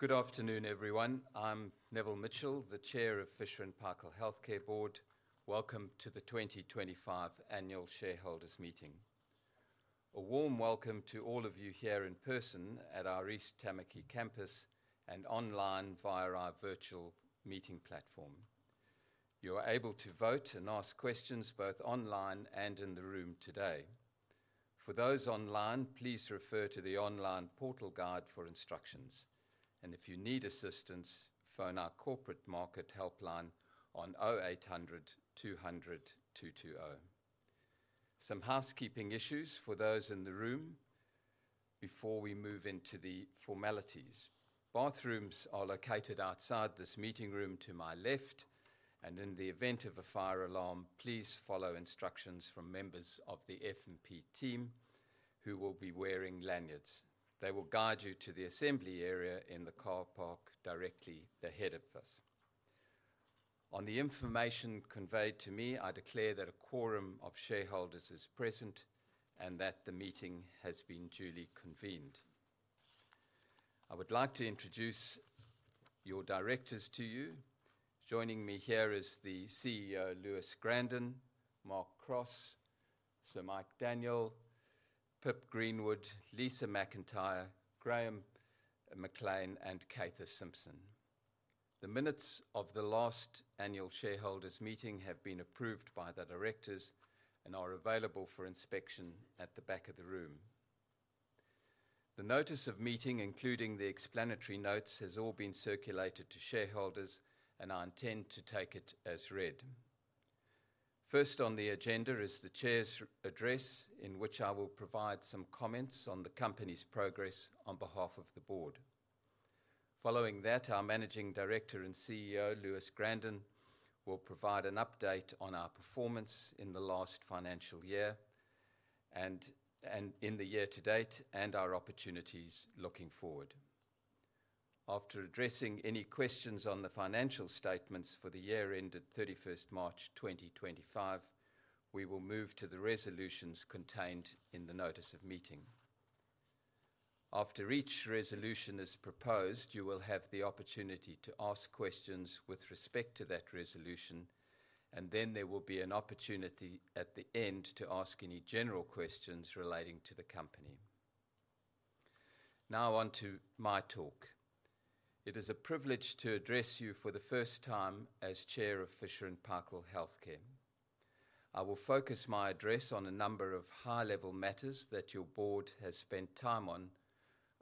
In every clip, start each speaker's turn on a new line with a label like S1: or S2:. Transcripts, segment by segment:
S1: Good afternoon, everyone. I'm Neville Mitchell, the Chair of Fisher & Paykel Healthcare Board. Welcome to the 2025 Annual Shareholders Meeting. A warm welcome to all of you here in person at our East Tamaki campus and online via our virtual meeting platform. You are able to vote and ask questions both online and in the room today. For those online, please refer to the online portal guide for instructions, and if you need assistance, phone our Corporate Market Helpline on 0800 200 220. Some housekeeping issues for those in the room before we move into the formalities. Bathrooms are located outside this meeting room to my left, and in the event of a fire alarm, please follow instructions from members of the F&P team who will be wearing lanyards. They will guide you to the assembly area in the car park directly ahead of us. On the information conveyed to me, I declare that a quorum of shareholders is present and that the meeting has been duly convened. I would like to introduce your Directors to you. Joining me here are the CEO Lewis Gradon, Mark Cross, Sir Michael Daniell, Pip Greenwood, Lisa McIntyre, Graham McLean, and Cather Simpson. The minutes of the last Annual Shareholders Meeting have been approved by the Directors and are available for inspection at the back of the room. The notice of meeting, including the explanatory notes, has all been circulated to shareholders, and I intend to take it as read. First on the agenda is the Chair's address, in which I will provide some comments on the company's progress on behalf of the Board. Following that, our Managing Director and CEO Lewis Gradon will provide an update on our performance in the last financial year and in the year to date and our opportunities looking forward. After addressing any questions on the financial statements for the year ended 31st March 2025, we will move to the resolutions contained in the notice of meeting. After each resolution is proposed, you will have the opportunity to ask questions with respect to that resolution, and then there will be an opportunity at the end to ask any general questions relating to the company. Now on to my talk. It is a privilege to address you for the first time as Chair of Fisher & Paykel Healthcare. I will focus my address on a number of high-level matters that your Board has spent time on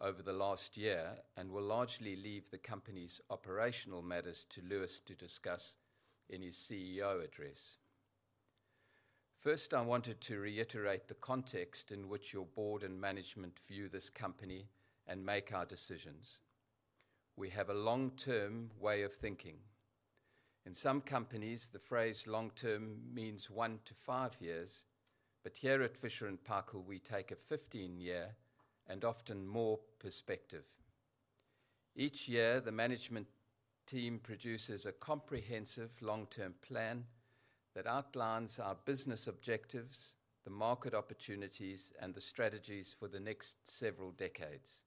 S1: over the last year and will largely leave the company's operational matters to Lewis to discuss in his CEO address. First, I wanted to reiterate the context in which your Board and management view this company and make our decisions. We have a long-term way of thinking. In some companies, the phrase "long-term" means one to five years, but here at Fisher & Paykel Healthcare, we take a 15-year and often more perspective. Each year, the management team produces a comprehensive long-term plan that outlines our business objectives, the market opportunities, and the strategies for the next several decades.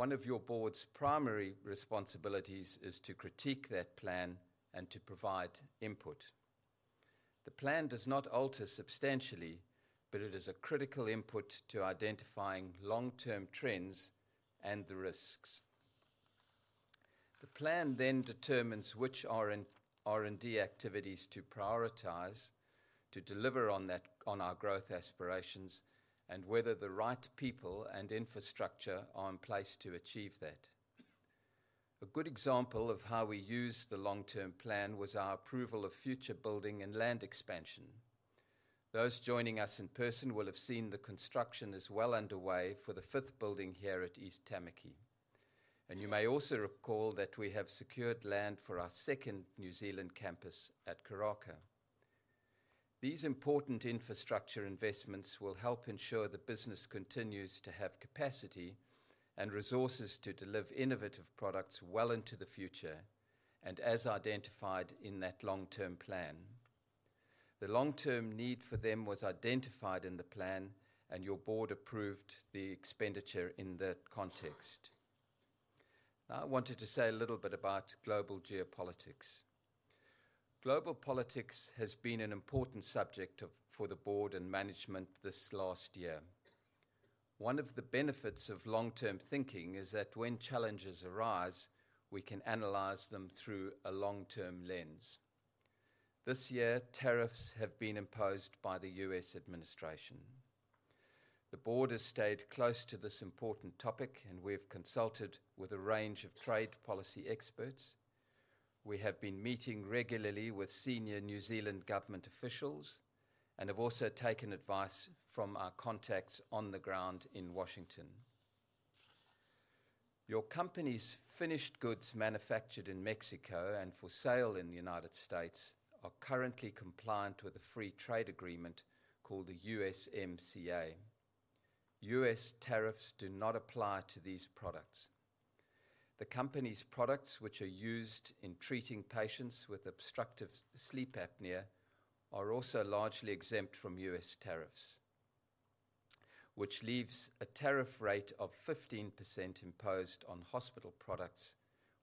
S1: One of your Board's primary responsibilities is to critique that plan and to provide input. The plan does not alter substantially, but it is a critical input to identifying long-term trends and the risks. The plan then determines which R&D activities to prioritize to deliver on our growth aspirations and whether the right people and infrastructure are in place to achieve that. A good example of how we used the long-term plan was our approval of future building and land expansion. Those joining us in person will have seen the construction is well underway for the fifth building here at East Tāmaki, and you may also recall that we have secured land for our second New Zealand campus at Karaka. These important infrastructure investments will help ensure the business continues to have capacity and resources to deliver innovative products well into the future and as identified in that long-term plan. The long-term need for them was identified in the plan, and your Board approved the expenditure in that context. Now, I wanted to say a little bit about global geopolitics. Global politics has been an important subject for the Board and management this last year. One of the benefits of long-term thinking is that when challenges arise, we can analyze them through a long-term lens. This year, tariffs have been imposed by the U.S. administration. The Board has stayed close to this important topic, and we have consulted with a range of trade policy experts. We have been meeting regularly with senior New Zealand government officials and have also taken advice from our contacts on the ground in Washington. Your company's finished goods manufactured in Mexico and for sale in the United States are currently compliant with a free trade agreement called the USMCA. U.S. tariffs do not apply to these products. The company's products, which are used in treating patients with obstructive sleep apnea, are also largely exempt from U.S. tariffs, which leaves a tariff rate of 15% imposed on hospital products,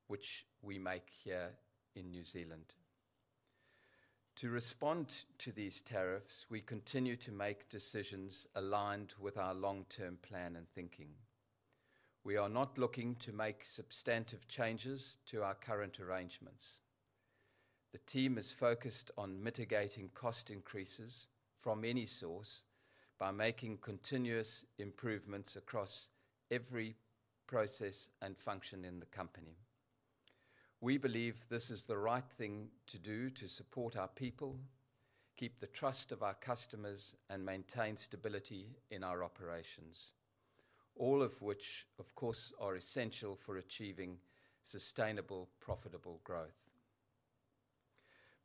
S1: which we make here in New Zealand. To respond to these tariffs, we continue to make decisions aligned with our long-term plan and thinking. We are not looking to make substantive changes to our current arrangements. The team is focused on mitigating cost increases from any source by making continuous improvements across every process and function in the company. We believe this is the right thing to do to support our people, keep the trust of our customers, and maintain stability in our operations, all of which, of course, are essential for achieving sustainable, profitable growth.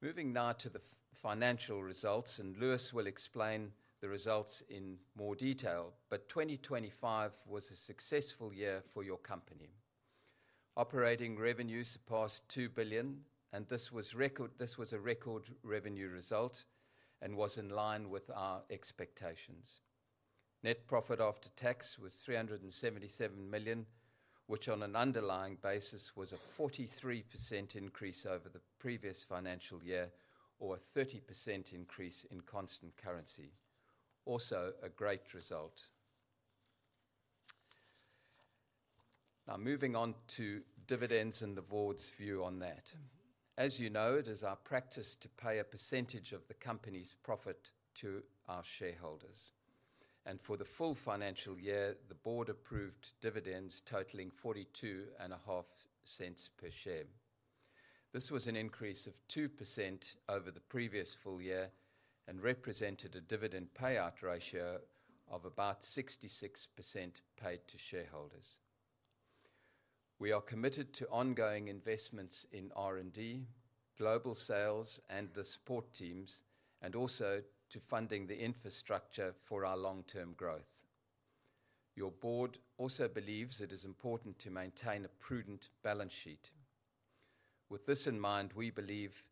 S1: Moving now to the financial results, and Lewis will explain the results in more detail, but 2025 was a successful year for your company. Operating revenues surpassed 2 billion, and this was a record revenue result and was in line with our expectations. Net profit after tax was 377 million, which on an underlying basis was a 43% increase over the previous financial year or a 30% increase in constant currency. Also, a great result. Now, moving on to dividends and the Board's view on that. As you know, it is our practice to pay a percentage of the company's profit to our shareholders, and for the full financial year, the Board approved dividends totaling 0.425 per share. This was an increase of 2% over the previous full year and represented a dividend payout ratio of about 66% paid to shareholders. We are committed to ongoing investments in R&D, global sales, and the support teams, and also to funding the infrastructure for our long-term growth. Your Board also believes it is important to maintain a prudent balance sheet. With this in mind, we believe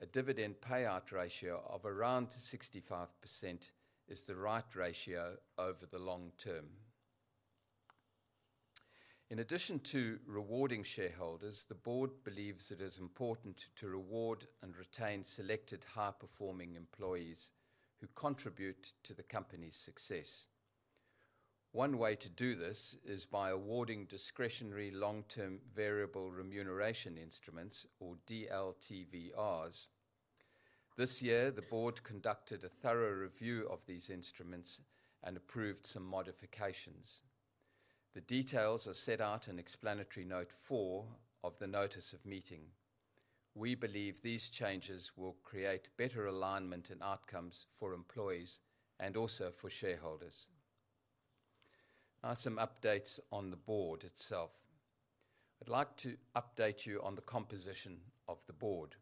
S1: a dividend payout ratio of around 65% is the right ratio over the long term. In addition to rewarding shareholders, the Board believes it is important to reward and retain selected high-performing employees who contribute to the company's success. One way to do this is by awarding discretionary long-term variable remuneration instruments, or DLTVRs. This year, the Board conducted a thorough review of these instruments and approved some modifications. The details are set out in Explanatory Note 4 of the notice of meeting. We believe these changes will create better alignment and outcomes for employees and also for shareholders. Now, some updates on the Board itself. I'd like to update you on the composition of the Board.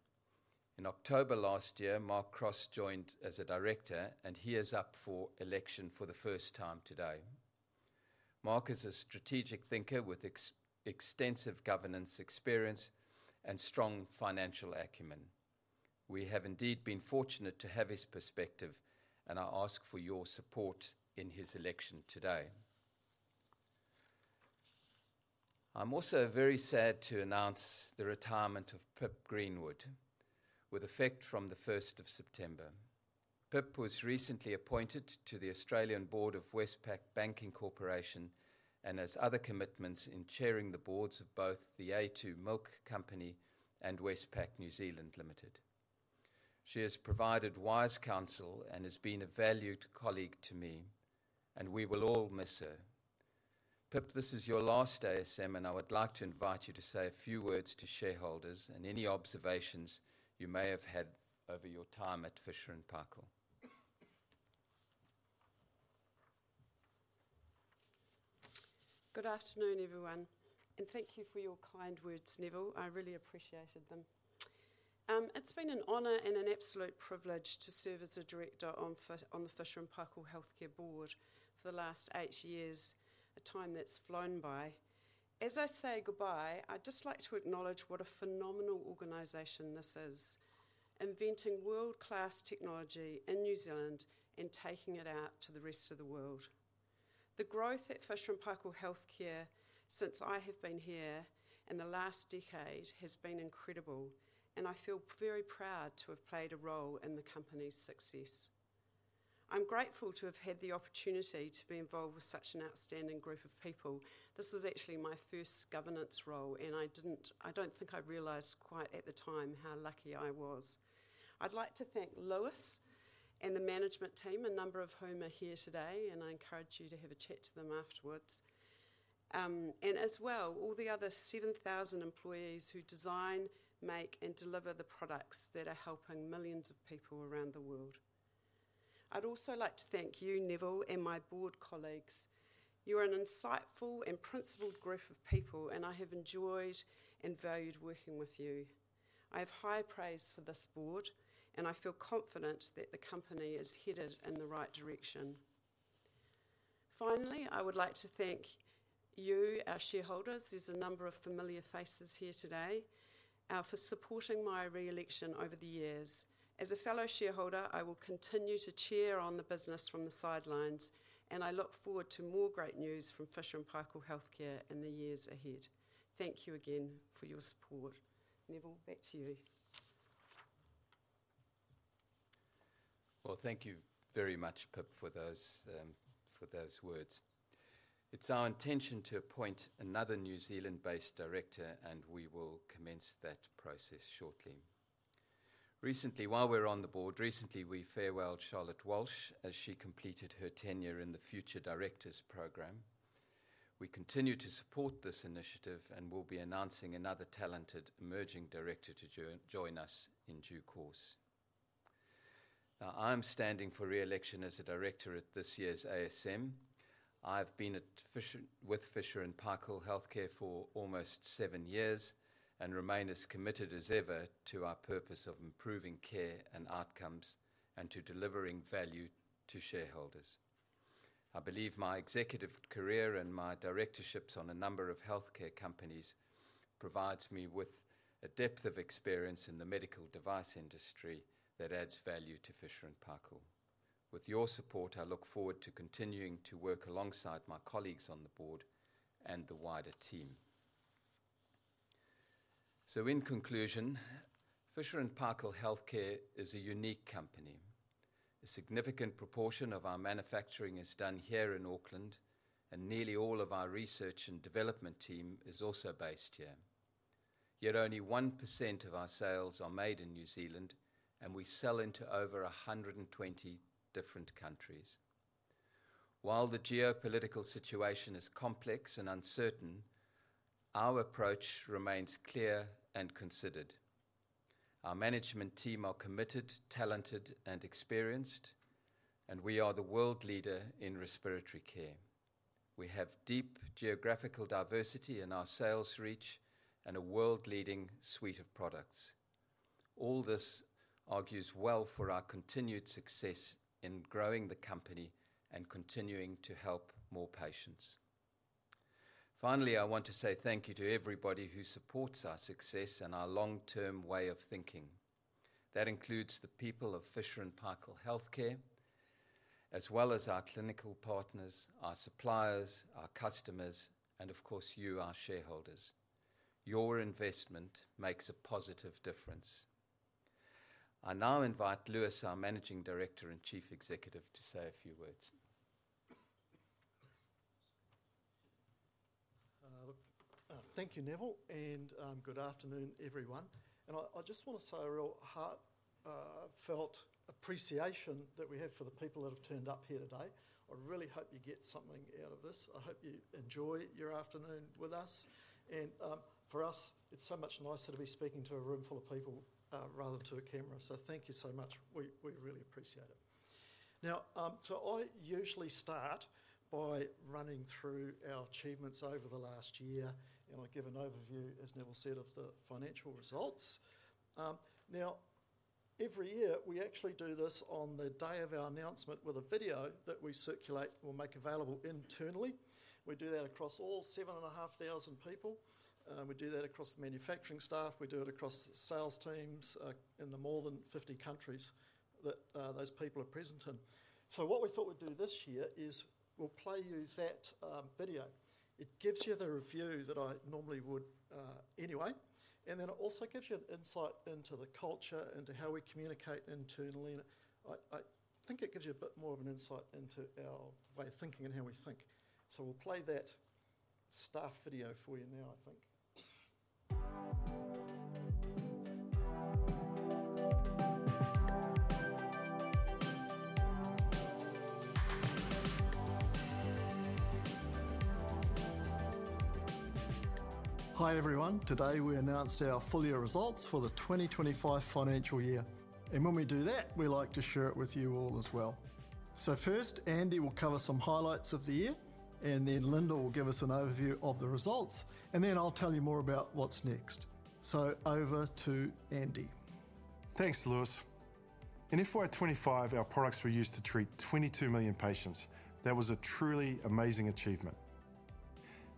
S1: In October last year, Mark Cross joined as a Director, and he is up for election for the first time today. Mark is a strategic thinker with extensive governance experience and strong financial acumen. We have indeed been fortunate to have his perspective, and I ask for your support in his election today. I'm also very sad to announce the retirement of Pip Greenwood with effect from the 1st of September. Pip was recently appointed to the Australian Board of Westpac Banking Corporation and has other commitments in chairing the boards of both The a2 Milk Company and Westpac New Zealand Limited. She has provided wise counsel and has been a valued colleague to me, and we will all miss her. Pip, this is your last day of service, and I would like to invite you to say a few words to shareholders and any observations you may have had over your time at Fisher & Paykel.
S2: Good afternoon, everyone, and thank you for your kind words, Neville. I really appreciated them. It's been an honor and an absolute privilege to serve as a Director on the Fisher & Paykel Healthcare Board for the last eight years, a time that's flown by. As I say goodbye, I'd just like to acknowledge what a phenomenal organization this is, inventing world-class technology in New Zealand and taking it out to the rest of the world. The growth at Fisher & Paykel Healthcare since I have been here in the last decade has been incredible, and I feel very proud to have played a role in the company's success. I'm grateful to have had the opportunity to be involved with such an outstanding group of people. This was actually my first governance role, and I don't think I realized quite at the time how lucky I was. I'd like to thank Lewis and the management team, a number of whom are here today, and I encourage you to have a chat to them afterwards, as well as all the other 7,000 employees who design, make, and deliver the products that are helping millions of people around the world. I'd also like to thank you, Neville, and my Board colleagues. You're an insightful and principled group of people, and I have enjoyed and valued working with you. I have high praise for this Board, and I feel confident that the company is headed in the right direction. Finally, I would like to thank you, our shareholders. There are a number of familiar faces here today for supporting my re-election over the years. As a fellow shareholder, I will continue to cheer on the business from the sidelines, and I look forward to more great news from Fisher & Paykel Healthcare in the years ahead. Thank you again for your support. Neville, back to you.
S1: Thank you very much, Pip, for those words. It is our intention to appoint another New Zealand-based Director, and we will commence that process shortly. Recently, while we are on the Board, we farewelled Charlotte Walsh as she completed her tenure in the Future Directors Programme. We continue to support this initiative and will be announcing another talented emerging Director to join us in due course. I am standing for re-election as a Director at this year's ASM. I have been with Fisher & Paykel Healthcare for almost seven years and remain as committed as ever to our purpose of improving care and outcomes and to delivering value to shareholders. I believe my executive career and my directorships on a number of healthcare companies provide me with a depth of experience in the medical device industry that adds value to Fisher & Paykel. With your support, I look forward to continuing to work alongside my colleagues on the Board and the wider team. In conclusion, Fisher & Paykel Healthcare is a unique company. A significant proportion of our manufacturing is done here in Auckland, and nearly all of our research and development team is also based here. Yet only 1% of our sales are made in New Zealand, and we sell into over 120 different countries. While the geopolitical situation is complex and uncertain, our approach remains clear and considered. Our management team are committed, talented, and experienced, and we are the world leader in respiratory care. We have deep geographical diversity in our sales reach and a world-leading suite of products. All this argues well for our continued success in growing the company and continuing to help more patients. Finally, I want to say thank you to everybody who supports our success and our long-term way of thinking. That includes the people of Fisher & Paykel Healthcare, as well as our clinical partners, our suppliers, our customers, and of course you, our shareholders. Your investment makes a positive difference. I now invite Lewis, our Managing Director and Chief Executive, to say a few words.
S3: Thank you, Neville, and good afternoon, everyone. I just want to say a real heartfelt appreciation that we have for the people that have turned up here today. I really hope you get something out of this. I hope you enjoy your afternoon with us. For us, it's so much nicer to be speaking to a room full of people rather than to a camera. Thank you so much. We really appreciate it. I usually start by running through our achievements over the last year, and I give an overview, as Neville said, of the financial results. Every year, we actually do this on the day of our announcement with a video that we circulate and we'll make available internally. We do that across all 7,500 people. We do that across the manufacturing staff. We do it across the sales teams in the more than 50 countries that those people are present in. What we thought we'd do this year is we'll play you that video. It gives you the review that I normally would anyway, and it also gives you an insight into the culture, into how we communicate internally. I think it gives you a bit more of an insight into our way of thinking and how we think. We'll play that staff video for you now, I think. Hi, everyone. Today we announce our full year results for the 2025 financial year. When we do that, we like to share it with you all as well. First, Andy will cover some highlights of the year, and then Lyndal will give us an overview of the results, and then I'll tell you more about what's next. Over to Andy.
S4: Thanks, Lewis. In FY 2025, our products were used to treat 22 million patients. That was a truly amazing achievement.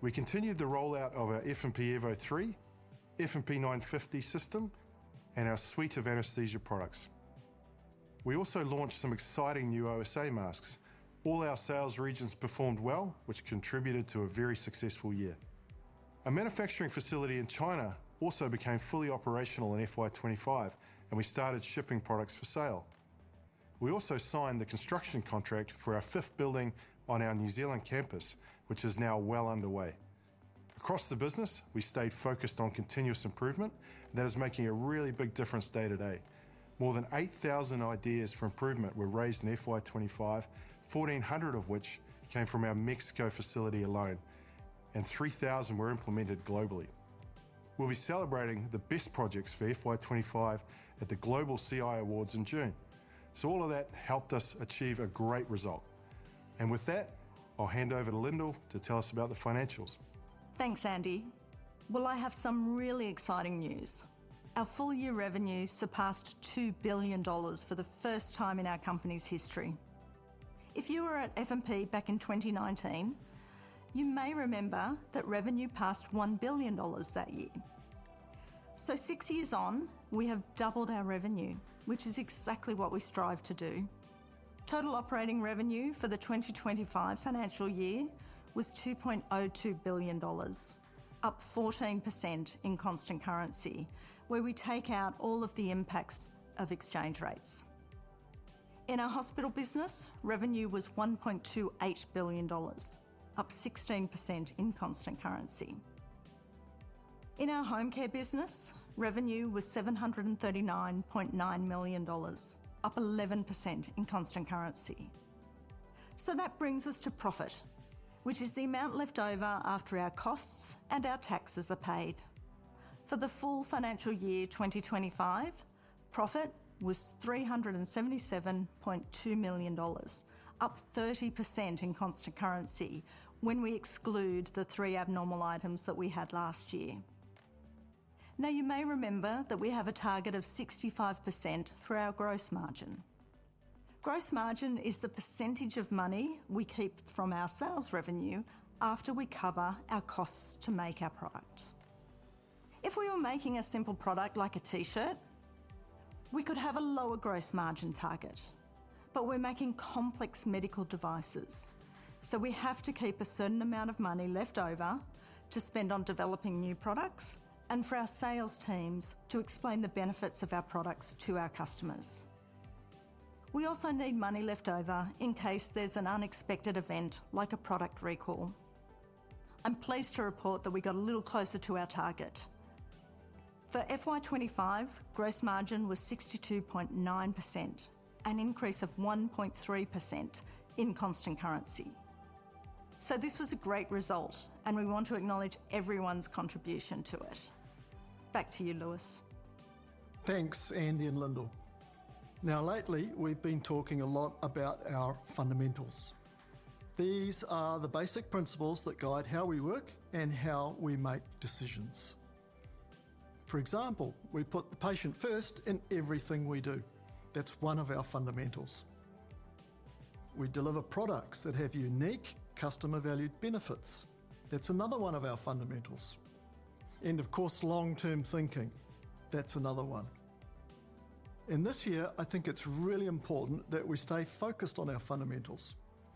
S4: We continued the rollout of our F&P Evo 3, F&P 950 system, and our suite of anesthesia products. We also launched some exciting new OSA masks. All our sales regions performed well, which contributed to a very successful year. A manufacturing facility in China also became fully operational in FY 2025, and we started shipping products for sale. We also signed the construction contract for our fifth building on our New Zealand campus, which is now well underway. Across the business, we stayed focused on continuous improvement, and that is making a really big difference day to day. More than 8,000 ideas for improvement were raised in FY 2025, 1,400 of which came from our Mexico facility alone, and 3,000 were implemented globally. We will be celebrating the best projects for FY 2025 at the Global CI Awards in June. All of that helped us achieve a great result. With that, I'll hand over to Lyndal to tell us about the financials.
S5: Thanks, Andy. I have some really exciting news. Our full year revenue surpassed 2 billion dollars for the first time in our company's history. If you were at F&P back in 2019, you may remember that revenue passed 1 billion dollars that year. Six years on, we have doubled our revenue, which is exactly what we strive to do. Total operating revenue for the 2025 financial year was 2.02 billion dollars, up 14% in constant currency, where we take out all of the impacts of exchange rates. In our hospital business, revenue was 1.28 billion dollars, up 16% in constant currency. In our home care business, revenue was 739.9 million dollars, up 11% in constant currency. That brings us to profit, which is the amount left over after our costs and our taxes are paid. For the full financial year 2025, profit was 377.2 million dollars, up 30% in constant currency when we exclude the three abnormal items that we had last year. You may remember that we have a target of 65% for our gross margin. Gross margin is the percentage of money we keep from our sales revenue after we cover our costs to make our products. If we were making a simple product like a T-shirt, we could have a lower gross margin target. We're making complex medical devices, so we have to keep a certain amount of money left over to spend on developing new products and for our sales teams to explain the benefits of our products to our customers. We also need money left over in case there's an unexpected event like a product recall. I'm pleased to report that we got a little closer to our target. For FY 2025, gross margin was 62.9%, an increase of 1.3% in constant currency. This was a great result, and we want to acknowledge everyone's contribution to it. Back to you, Lewis.
S3: Thanks, Andy and Lyndal. Now, lately, we've been talking a lot about our fundamentals. These are the basic principles that guide how we work and how we make decisions. For example, we put the patient first in everything we do. That's one of our fundamentals. We deliver products that have unique customer-valued benefits. That's another one of our fundamentals. Of course, long-term thinking. That's another one. This year, I think it's really important that we stay focused on our fundamentals.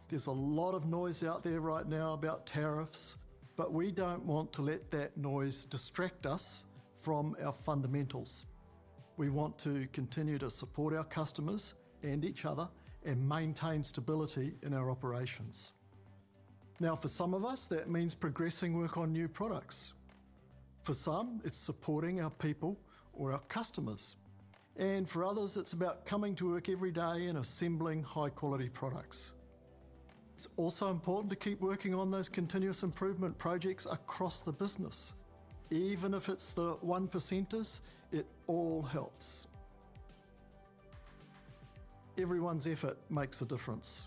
S3: There's a lot of noise out there right now about tariffs, but we don't want to let that noise distract us from our fundamentals. We want to continue to support our customers and each other and maintain stability in our operations. For some of us, that means progressing work on new products. For some, it's supporting our people or our customers. For others, it's about coming to work every day and assembling high-quality products. It's also important to keep working on those continuous improvement projects across the business. Even if it's the 1%ers, it all helps. Everyone's effort makes a difference.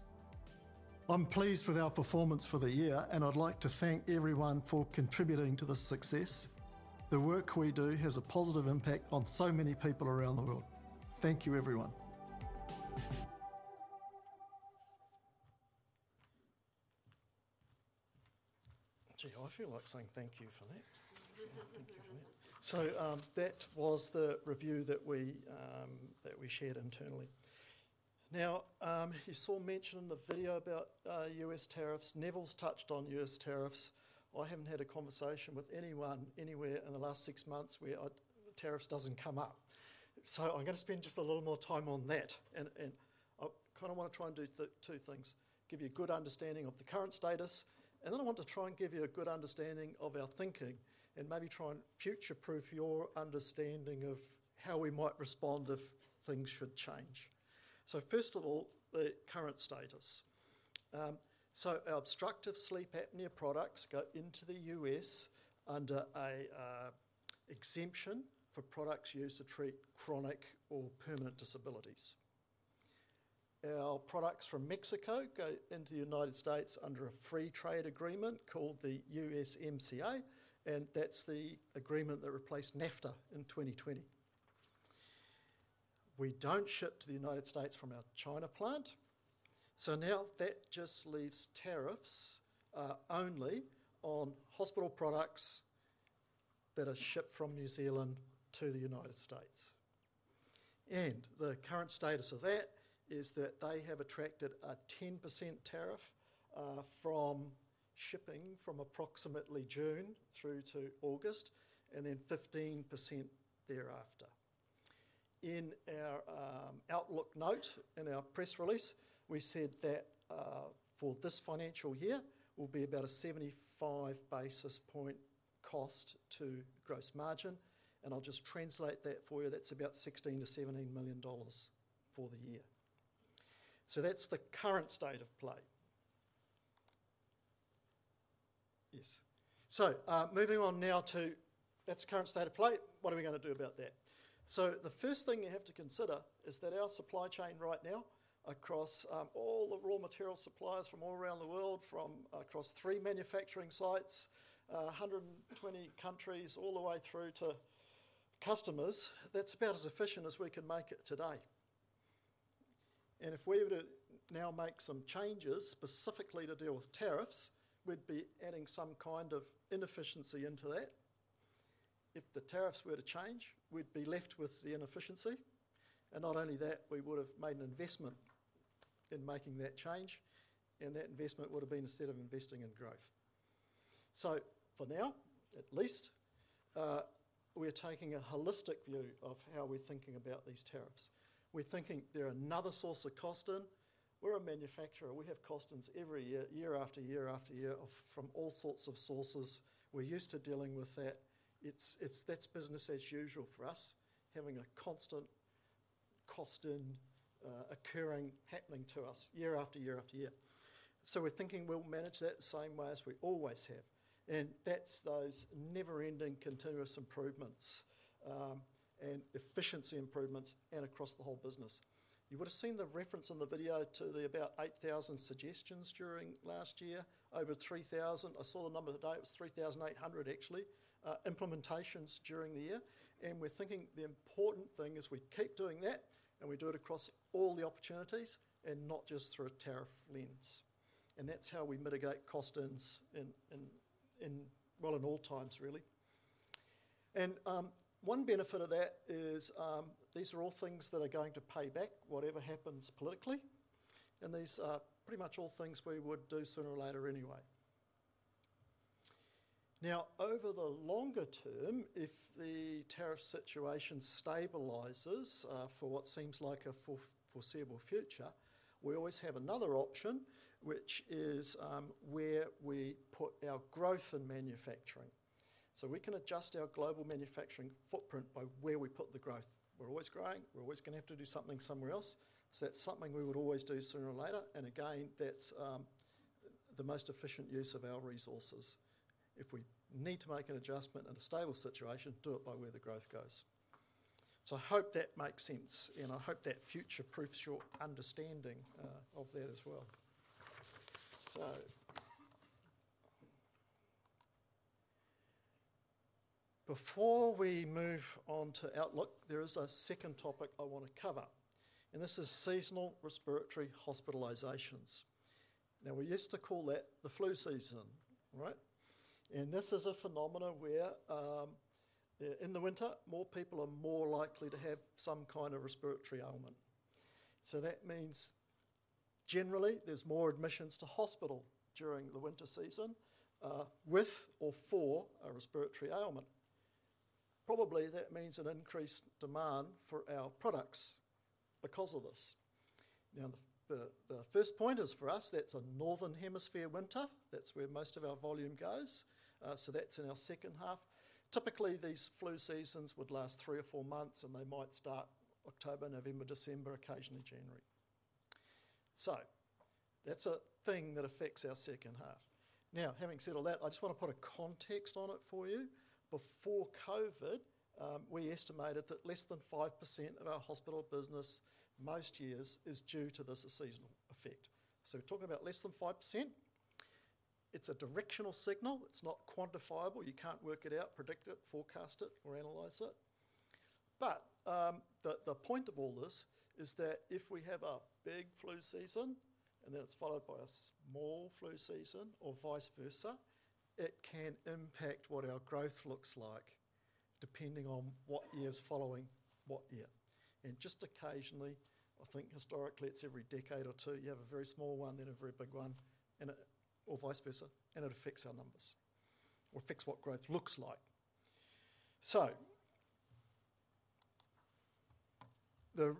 S3: I'm pleased with our performance for the year, and I'd like to thank everyone for contributing to the success. The work we do has a positive impact on so many people around the world. Thank you, everyone. Gee, I feel like saying thank you for that. That was the review that we shared internally. You saw mention in the video about U.S. tariffs. Neville's touched on U.S. tariffs. I haven't had a conversation with anyone anywhere in the last six months where tariffs don't come up. I'm going to spend just a little more time on that. I kind of want to try and do two things: give you a good understanding of the current status, and then I want to try and give you a good understanding of our thinking and maybe try and future-proof your understanding of how we might respond if things should change. First of all, the current status. Our obstructive sleep apnea products go into the U.S. under an exemption for products used to treat chronic or permanent disabilities. Our products from Mexico go into the United States under a free trade agreement called the USMCA, and that's the agreement that replaced NAFTA in 2020. We don't ship to the United States from our China plant. That just leaves tariffs only on hospital products that are shipped from New Zealand to the United States. The current status of that is that they have attracted a 10% tariff from shipping from approximately June through to August, and then 15% thereafter. In our Outlook note in our press release, we said that for this financial year, we'll be about a 75 basis point cost to gross margin. I'll just translate that for you. That's about 16 million - 17 million dollars for the year. That's the current state of play. Moving on now, what are we going to do about that? The first thing you have to consider is that our supply chain right now across all the raw material suppliers from all around the world, from across three manufacturing sites, 120 countries all the way through to customers, is about as efficient as we can make it today. If we were to now make some changes specifically to deal with tariffs, we'd be adding some kind of inefficiency into that. If the tariffs were to change, we'd be left with the inefficiency. Not only that, we would have made an investment in making that change, and that investment would have been instead of investing in growth. For now, at least, we're taking a holistic view of how we're thinking about these tariffs. We're thinking they're another source of cost in. We're a manufacturer. We have cost in every year, year after year after year, from all sorts of sources. We're used to dealing with that. It's business as usual for us, having a constant cost in occurring, happening to us year after year after year. We're thinking we'll manage that the same way as we always have. That's those never-ending continuous improvements and efficiency improvements across the whole business. You would have seen the reference in the video to about 8,000 suggestions during last year, over 3,000. I saw the number today. It was 3,800, actually, implementations during the year. We're thinking the important thing is we keep doing that, and we do it across all the opportunities and not just through a tariff lens. That's how we mitigate cost ins in all times, really. One benefit of that is these are all things that are going to pay back whatever happens politically. These are pretty much all things we would do sooner or later anyway. Over the longer term, if the tariff situation stabilizes for what seems like a foreseeable future, we always have another option, which is where we put our growth in manufacturing. We can adjust our global manufacturing footprint by where we put the growth. We're always growing. We're always going to have to do something somewhere else. That's something we would always do sooner or later. That's the most efficient use of our resources. If we need to make an adjustment in a stable situation, do it by where the growth goes. I hope that makes sense, and I hope that future-proofs your understanding of that as well. Before we move on to Outlook, there is a second topic I want to cover, and this is seasonal respiratory hospitalizations. We used to call that the flu season, right? This is a phenomenon where in the winter, more people are more likely to have some kind of respiratory ailment. That means generally there's more admissions to hospital during the winter season with or for a respiratory ailment. Probably that means an increased demand for our products because of this. The first point is for us, that's a northern hemisphere winter. That's where most of our volume goes. That's in our second half. Typically, these flu seasons would last three or four months, and they might start October, November, December, occasionally January. That's a thing that affects our second half. Having said all that, I just want to put a context on it for you. Before COVID, we estimated that less than 5% of our hospital business most years is due to this seasonal effect. We're talking about less than 5%. It's a directional signal. It's not quantifiable. You can't work it out, predict it, forecast it, or analyze it. The point of all this is that if we have a big flu season and then it's followed by a small flu season or vice versa, it can impact what our growth looks like depending on what year's following what year. Just occasionally, I think historically it's every decade or two. You have a very small one, then a very big one, or vice versa, and it affects our numbers. It affects what growth looks like. The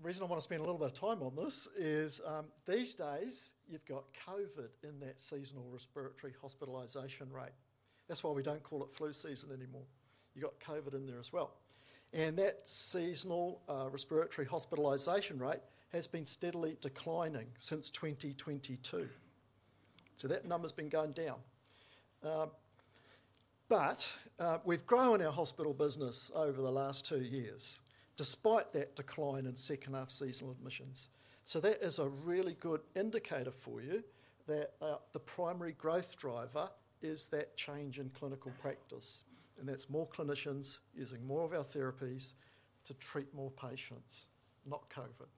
S3: reason I want to spend a little bit of time on this is these days you've got COVID in that seasonal respiratory hospitalization rate. That's why we don't call it flu season anymore. You've got COVID in there as well. That seasonal respiratory hospitalization rate has been steadily declining since 2022. That number's been going down. We've grown our hospital business over the last two years despite that decline in second half seasonal admissions. That is a really good indicator for you that the primary growth driver is that change in clinical practice. That's more clinicians using more of our therapies to treat more patients, not COVID.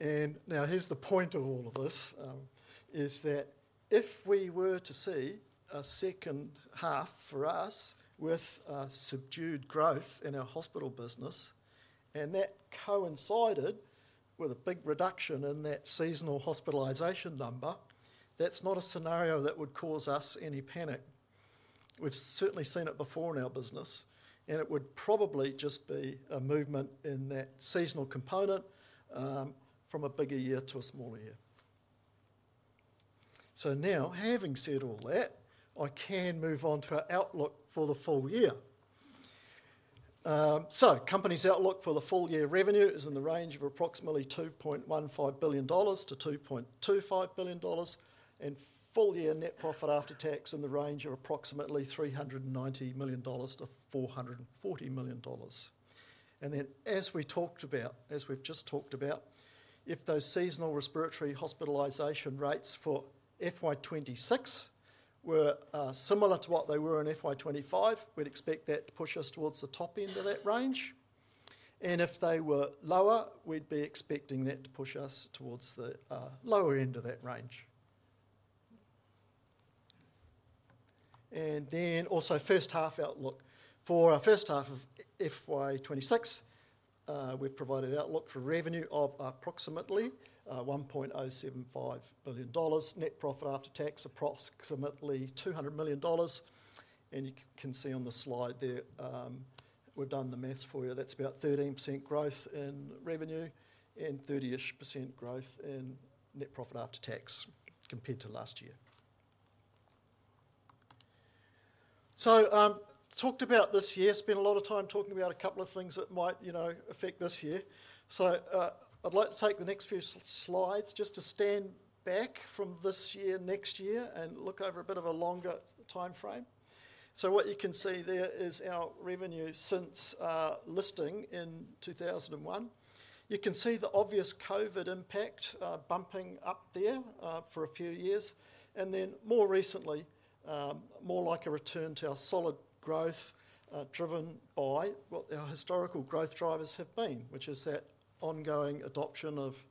S3: Here's the point of all of this: if we were to see a second half for us with subdued growth in our hospital business and that coincided with a big reduction in that seasonal hospitalisation number, that's not a scenario that would cause us any panic. We've certainly seen it before in our business, and it would probably just be a movement in that seasonal component from a bigger year to a smaller year. Having said all that, I can move on to our outlook for the full year. The company's outlook for the full year revenue is in the range of approximately 2.15 billion dollars - 2.25 billion dollars, and full year net profit after tax in the range of approximately 390 million dollars - 440 million dollars. As we've just talked about, if those seasonal respiratory hospitalisation rates for FY 2026 were similar to what they were in FY 2025, we'd expect that to push us towards the top end of that range. If they were lower, we'd be expecting that to push us towards the lower end of that range. Also, first half outlook. For our first half of FY 2026, we've provided outlook for revenue of approximately 1.075 billion dollars, net profit after tax approximately 200 million dollars. You can see on the slide there, we've done the math for you. That's about 13% growth in revenue and 30% growth in net profit after tax compared to last year. I talked about this year, spent a lot of time talking about a couple of things that might affect this year. I'd like to take the next few slides just to stand back from this year and next year and look over a bit of a longer timeframe. What you can see there is our revenue since our listing in 2001. You can see the obvious COVID impact bumping up there for a few years. More recently, more like a return to our solid growth driven by what our historical growth drivers have been, which is that ongoing adoption of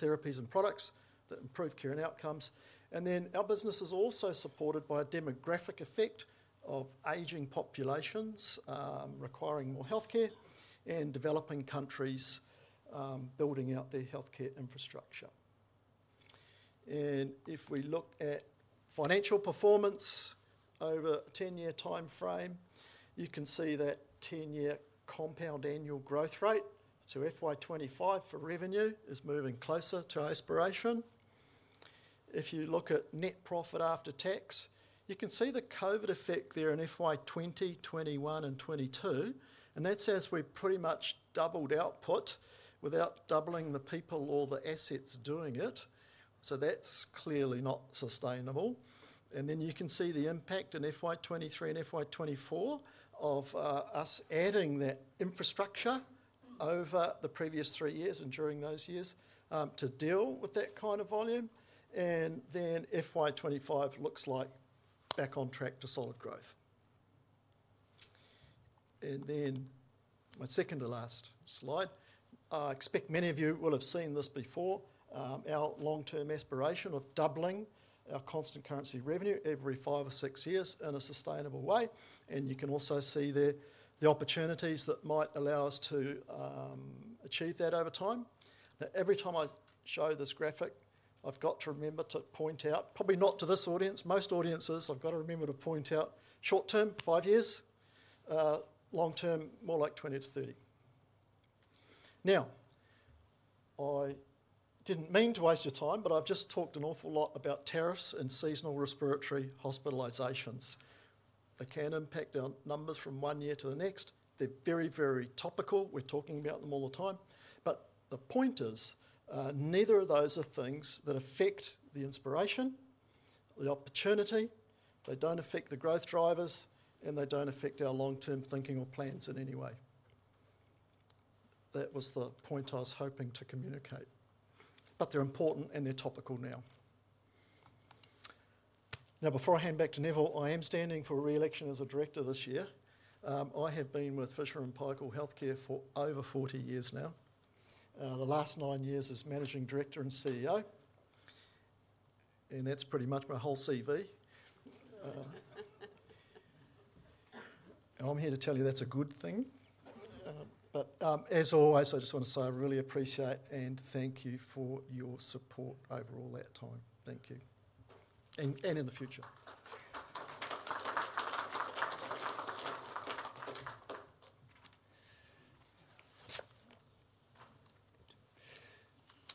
S3: therapies and products that improve care and outcomes. Our business is also supported by a demographic effect of aging populations requiring more healthcare and developing countries building out their healthcare infrastructure. If we look at financial performance over a 10-year timeframe, you can see that 10-year compound annual growth rate. FY 2025 for revenue is moving closer to aspiration. If you look at net profit after tax, you can see the COVID effect there in FY 2021 and 2022. That's as we've pretty much doubled output without doubling the people or the assets doing it. That's clearly not sustainable. You can see the impact in FY 2023 and FY 2024 of us adding that infrastructure over the previous three years and during those years to deal with that kind of volume. FY 2025 looks like back on track to solid growth. My second to last slide, I expect many of you will have seen this before, our long-term aspiration of doubling our constant currency revenue every five or six years in a sustainable way. You can also see there the opportunities that might allow us to achieve that over time. Every time I show this graphic, I've got to remember to point out, probably not to this audience, most audiences, I've got to remember to point out short term, five years, long term, more like 20 to 30. I didn't mean to waste your time, but I've just talked an awful lot about tariffs and seasonal respiratory hospitalizations. It can impact our numbers from one year to the next. They're very, very topical. We're talking about them all the time. The point is, neither of those are things that affect the inspiration, the opportunity. They don't affect the growth drivers, and they don't affect our long-term thinking or plans in any way. That was the point I was hoping to communicate. They're important, and they're topical now. Before I hand back to Neville, I am standing for re-election as a Director this year. I have been with Fisher & Paykel Healthcare for over 40 years now, the last nine years as Managing Director and CEO. That's pretty much my whole CV. I'm here to tell you that's a good thing. As always, I just want to say I really appreciate and thank you for your support over all that time. Thank you. And in the future.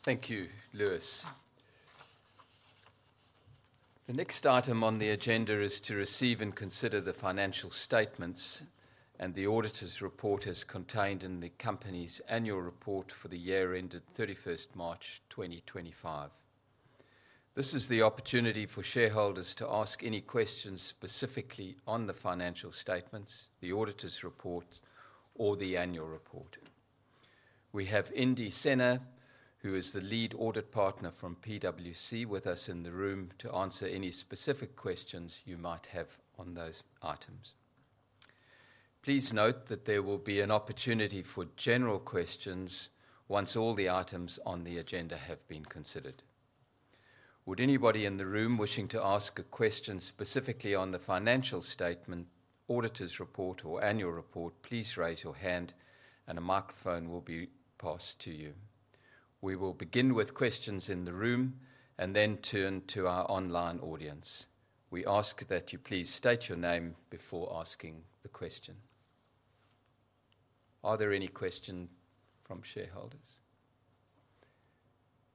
S1: Thank you, Lewis. The next item on the agenda is to receive and consider the financial statements and the auditor's report as contained in the company's annual report for the year ended 31 March 2025. This is the opportunity for shareholders to ask any questions specifically on the financial statements, the auditor's report, or the annual report. We have Indy Senna, who is the lead audit partner from PwC, with us in the room to answer any specific questions you might have on those items. Please note that there will be an opportunity for general questions once all the items on the agenda have been considered. Would anybody in the room wishing to ask a question specifically on the financial statements, auditor's report, or annual report, please raise your hand, and a microphone will be passed to you. We will begin with questions in the room and then turn to our online audience. We ask that you please state your name before asking the question. Are there any questions from shareholders?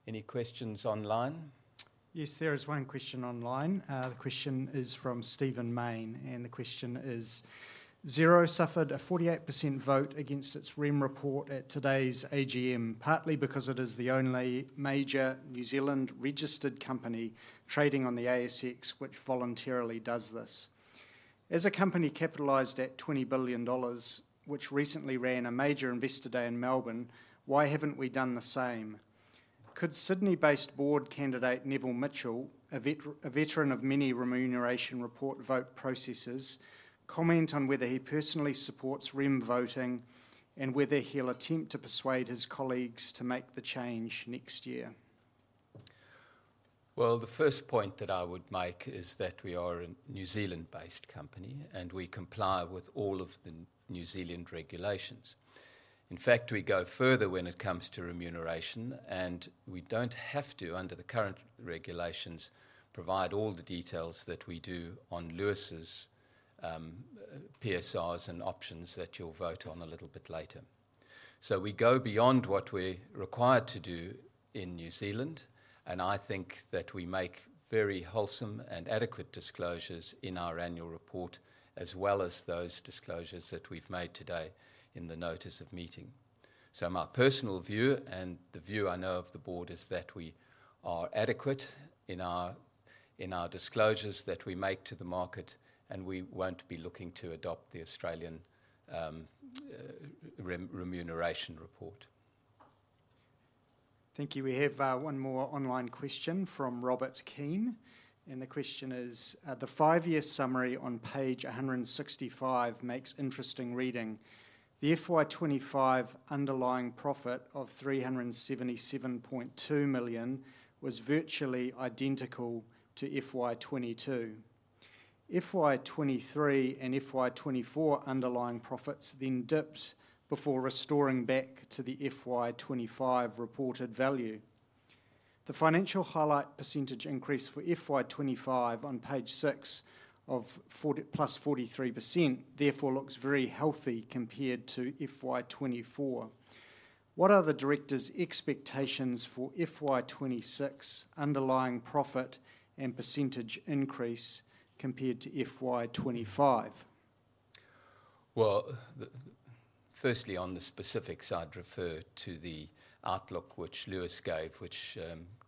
S1: Any questions online?
S6: Yes, there is one question online. The question is from Stephen Main, and the question is, Xero suffered a 48% vote against its RIM report at today's AGM, partly because it is the only major New Zealand registered company trading on the ASX, which voluntarily does this. As a company capitalized at 20 billion dollars, which recently ran a major investor day in Melbourne, why haven't we done the same? Could Sydney-based board candidate Neville Mitchell, a veteran of many remuneration report vote processes, comment on whether he personally supports RIM voting and whether he'll attempt to persuade his colleagues to make the change next year?
S1: The first point that I would make is that we are a New Zealand-based company, and we comply with all of the New Zealand regulations. In fact, we go further when it comes to remuneration, and we don't have to, under the current regulations, provide all the details that we do on Lewis's PSRs and options that you'll vote on a little bit later. We go beyond what we're required to do in New Zealand, and I think that we make very wholesome and adequate disclosures in our annual report, as well as those disclosures that we've made today in the notice of meeting. My personal view and the view I know of the board is that we are adequate in our disclosures that we make to the market, and we won't be looking to adopt the Australian remuneration report.
S6: Thank you. We have one more online question from Robert Keen, and the question is, the five-year summary on page 165 makes interesting reading. The FY 2025 underlying profit of 377.2 million was virtually identical to FY 2022. FY 2023 and FY 2024 underlying profits then dipped before restoring back to the FY 2025 reported value. The financial highlight % increase for FY 2025 on page six of +43% therefore looks very healthy compared to FY 2024. What are the directors' expectations for FY 2026 underlying profit and % increase compared to FY 2025?
S1: Firstly, on the specifics, I'd refer to the outlook which Lewis gave, which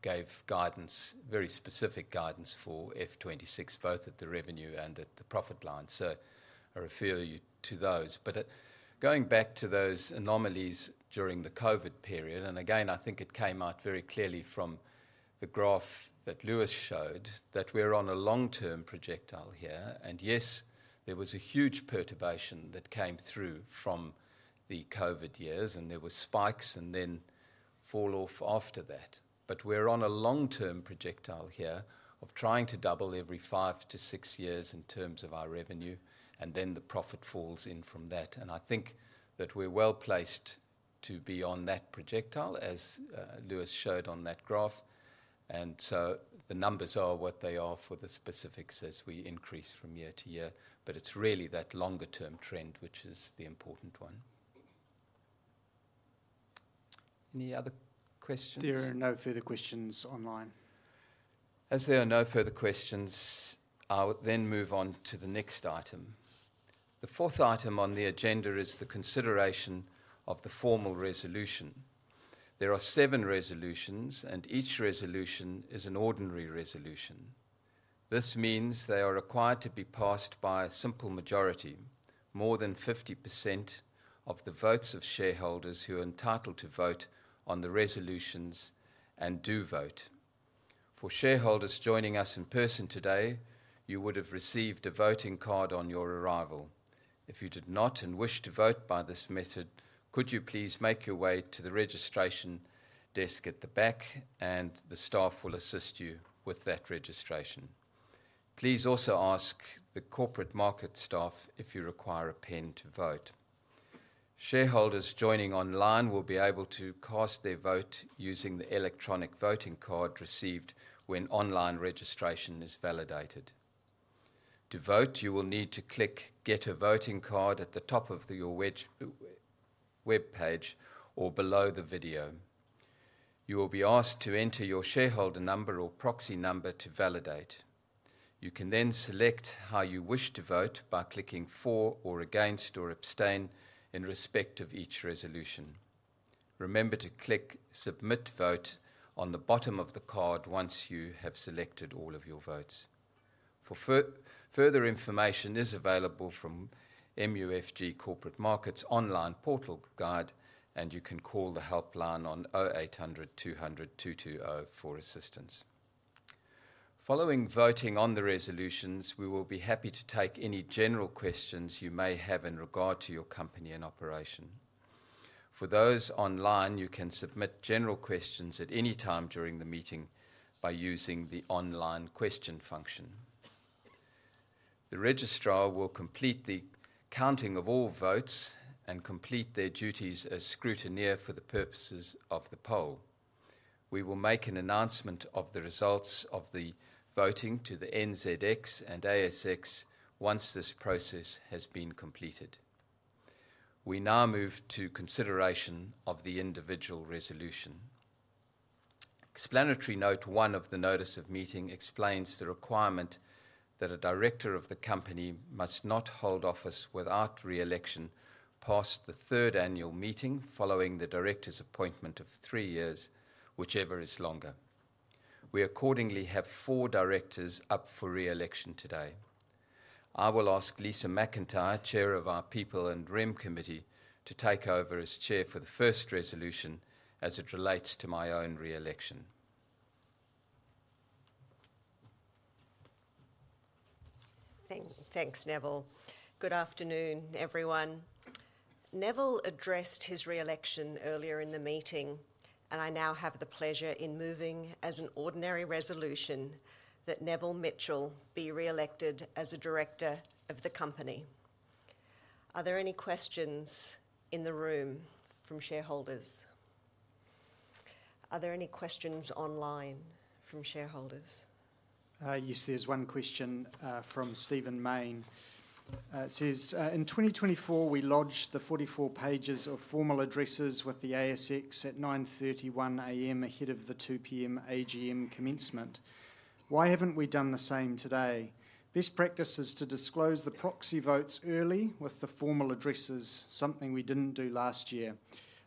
S1: gave guidance, very specific guidance for FY 2026, both at the revenue and at the profit line. I refer you to those. Going back to those anomalies during the COVID period, I think it came out very clearly from the graph that Lewis showed that we're on a long-term projectile here. Yes, there was a huge perturbation that came through from the COVID years, and there were spikes and then fall off after that. We're on a long-term projectile here of trying to double every five to six years in terms of our revenue, and then the profit falls in from that. I think that we're well placed to be on that projectile, as Lewis showed on that graph. The numbers are what they are for the specifics as we increase from year to year. It's really that longer-term trend, which is the important one. Any other questions?
S6: There are no further questions online.
S1: As there are no further questions, I would then move on to the next item. The fourth item on the agenda is the consideration of the formal resolution. There are seven resolutions, and each resolution is an ordinary resolution. This means they are required to be passed by a simple majority, more than 50% of the votes of shareholders who are entitled to vote on the resolutions and do vote. For shareholders joining us in person today, you would have received a voting card on your arrival. If you did not and wish to vote by this method, could you please make your way to the registration desk at the back, and the staff will assist you with that registration. Please also ask the Corporate Markets staff if you require a pen to vote. Shareholders joining online will be able to cast their vote using the electronic voting card received when online registration is validated. To vote, you will need to click "Get a voting card" at the top of your web page or below the video. You will be asked to enter your shareholder number or proxy number to validate. You can then select how you wish to vote by clicking "For" or "Against" or "Abstain" in respect of each resolution. Remember to click "Submit Vote" on the bottom of the card once you have selected all of your votes. Further information is available from MUFG Corporate Markets online portal guide, and you can call the helpline on 0800 200 220 for assistance. Following voting on the resolutions, we will be happy to take any general questions you may have in regard to your company and operation. For those online, you can submit general questions at any time during the meeting by using the online question function. The registrar will complete the counting of all votes and complete their duties as scrutineer for the purposes of the poll. We will make an announcement of the results of the voting to the NZX and ASX once this process has been completed. We now move to consideration of the individual resolution. Explanatory note one of the notice of meeting explains the requirement that a director of the company must not hold office without re-election past the third annual meeting following the director's appointment or three years, whichever is longer. We accordingly have four directors up for re-election today. I will ask Lisa McIntyre, Chair of our People and RIM Committee, to take over as Chair for the first resolution as it relates to my own re-election.
S7: Thanks, Neville. Good afternoon, everyone. Neville addressed his re-election earlier in the meeting, and I now have the pleasure in moving as an ordinary resolution that Neville Mitchell be re-elected as a Director of the company. Are there any questions in the room from shareholders? Are there any questions online from shareholders?
S6: Yes, there's one question from Stephen Main. It says, "In 2024, we lodged the 44 pages of formal addresses with the ASX at 9:31 A.M. ahead of the 2:00 P.M. AGM commencement. Why haven't we done the same today? Best practice is to disclose the proxy votes early with the formal addresses, something we didn't do last year.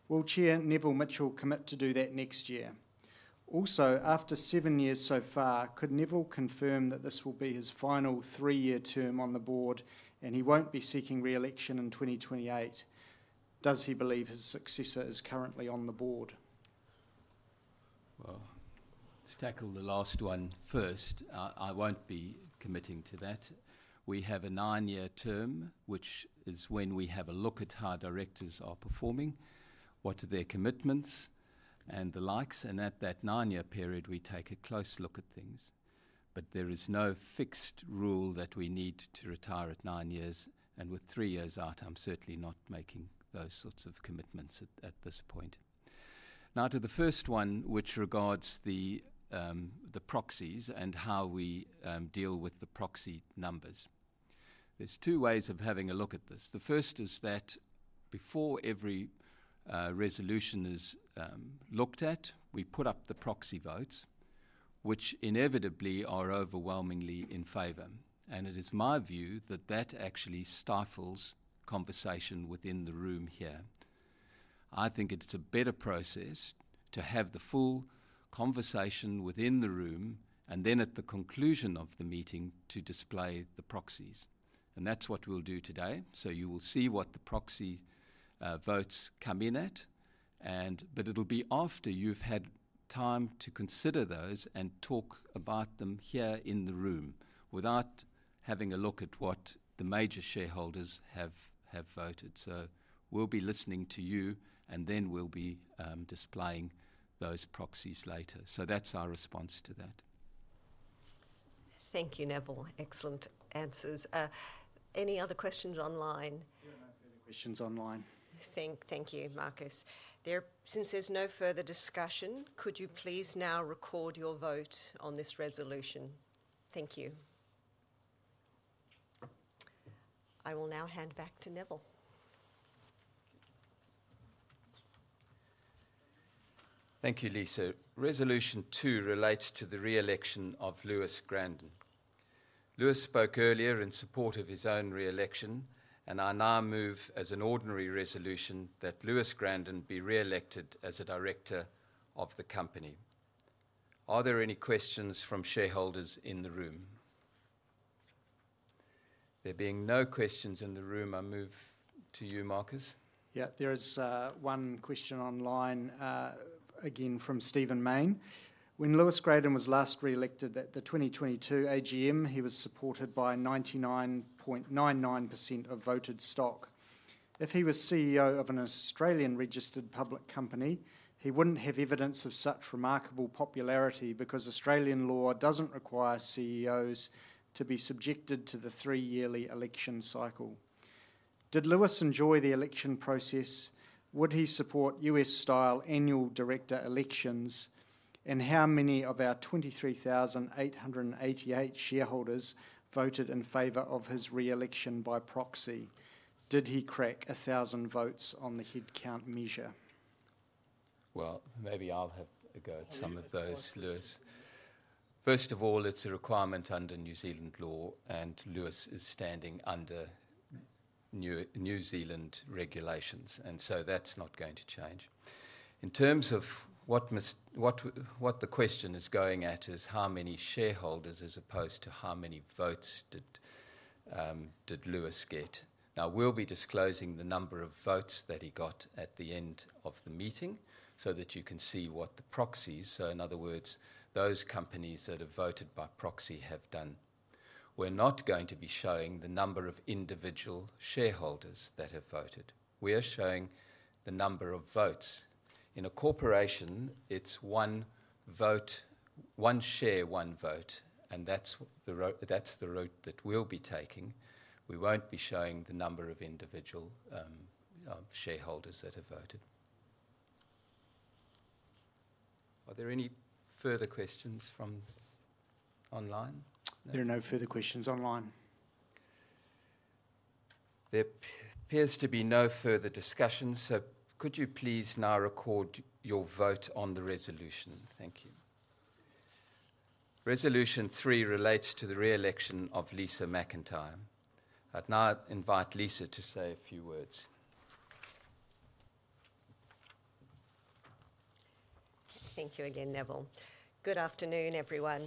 S6: Will Chair Neville Mitchell commit to do that next year? Also, after seven years so far, could Neville confirm that this will be his final three-year term on the board and he won't be seeking re-election in 2028? Does he believe his successor is currently on the board?
S1: Let's tackle the last one first. I won't be committing to that. We have a nine-year term, which is when we have a look at how directors are performing, what are their commitments, and the likes. At that nine-year period, we take a close look at things. There is no fixed rule that we need to retire at nine years, and with three years out, I'm certainly not making those sorts of commitments at this point. Now, to the first one, which regards the proxies and how we deal with the proxy numbers. There are two ways of having a look at this. The first is that before every resolution is looked at, we put up the proxy votes, which inevitably are overwhelmingly in favor. It is my view that that actually stifles conversation within the room here. I think it's a better process to have the full conversation within the room and then at the conclusion of the meeting to display the proxies. That's what we'll do today. You will see what the proxy votes come in at, but it'll be after you've had time to consider those and talk about them here in the room without having a look at what the major shareholders have voted. We'll be listening to you, and then we'll be displaying those proxies later. That's our response to that.
S7: Thank you, Neville. Excellent answers. Any other questions online?
S6: Any questions online?
S7: Thank you, Marcus. Since there's no further discussion, could you please now record your vote on this resolution? Thank you. I will now hand back to Neville.
S1: Thank you, Lisa. Resolution two relates to the re-election of Lewis Gradon. Lewis spoke earlier in support of his own re-election, and I now move as an ordinary resolution that Lewis Gradon be re-elected as a director of the company. Are there any questions from shareholders in the room? There being no questions in the room, I move to you, Marcus.
S6: Yeah, there is one question online, again from Stephen Main. When Lewis Gradon was last re-elected at the 2022 AGM, he was supported by 99.99% of voted stock. If he was CEO of an Australian-registered public company, he wouldn't have evidence of such remarkable popularity because Australian law doesn't require CEOs to be subjected to the three-yearly election cycle. Did Lewis enjoy the election process? Would he support U.S.-style annual director elections? How many of our 23,888 shareholders voted in favor of his re-election by proxy? Did he crack 1,000 votes on the headcount measure?
S1: Maybe I'll have a go at some of those, Lewis. First of all, it's a requirement under New Zealand law, and Lewis is standing under New Zealand regulations, and that's not going to change. In terms of what the question is going at is how many shareholders as opposed to how many votes did Lewis get. Now, we'll be disclosing the number of votes that he got at the end of the meeting so that you can see what the proxies, so in other words, those companies that have voted by proxy have done. We're not going to be showing the number of individual shareholders that have voted. We are showing the number of votes. In a corporation, it's one vote, one share, one vote, and that's the route that we'll be taking. We won't be showing the number of individual shareholders that have voted. Are there any further questions from online?
S6: There are no further questions online.
S1: There appears to be no further discussion, so could you please now record your vote on the resolution? Thank you. Resolution three relates to the re-election of Lisa McIntyre. I'd now invite Lisa to say a few words.
S7: Thank you again, Neville. Good afternoon, everyone.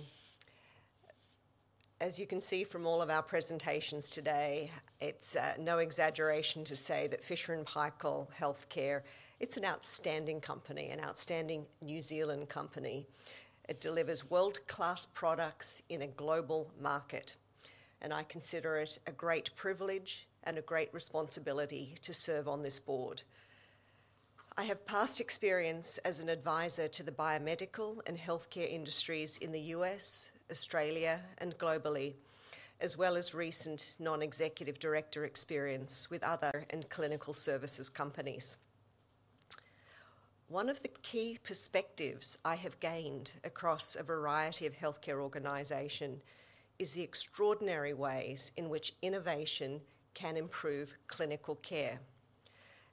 S7: As you can see from all of our presentations today, it's no exaggeration to say that Fisher & Paykel Healthcare is an outstanding company, an outstanding New Zealand company. It delivers world-class products in a global market, and I consider it a great privilege and a great responsibility to serve on this board. I have past experience as an advisor to the biomedical and healthcare industries in the U.S., Australia, and globally, as well as recent non-executive director experience with other clinical services companies. One of the key perspectives I have gained across a variety of healthcare organizations is the extraordinary ways in which innovation can improve clinical care.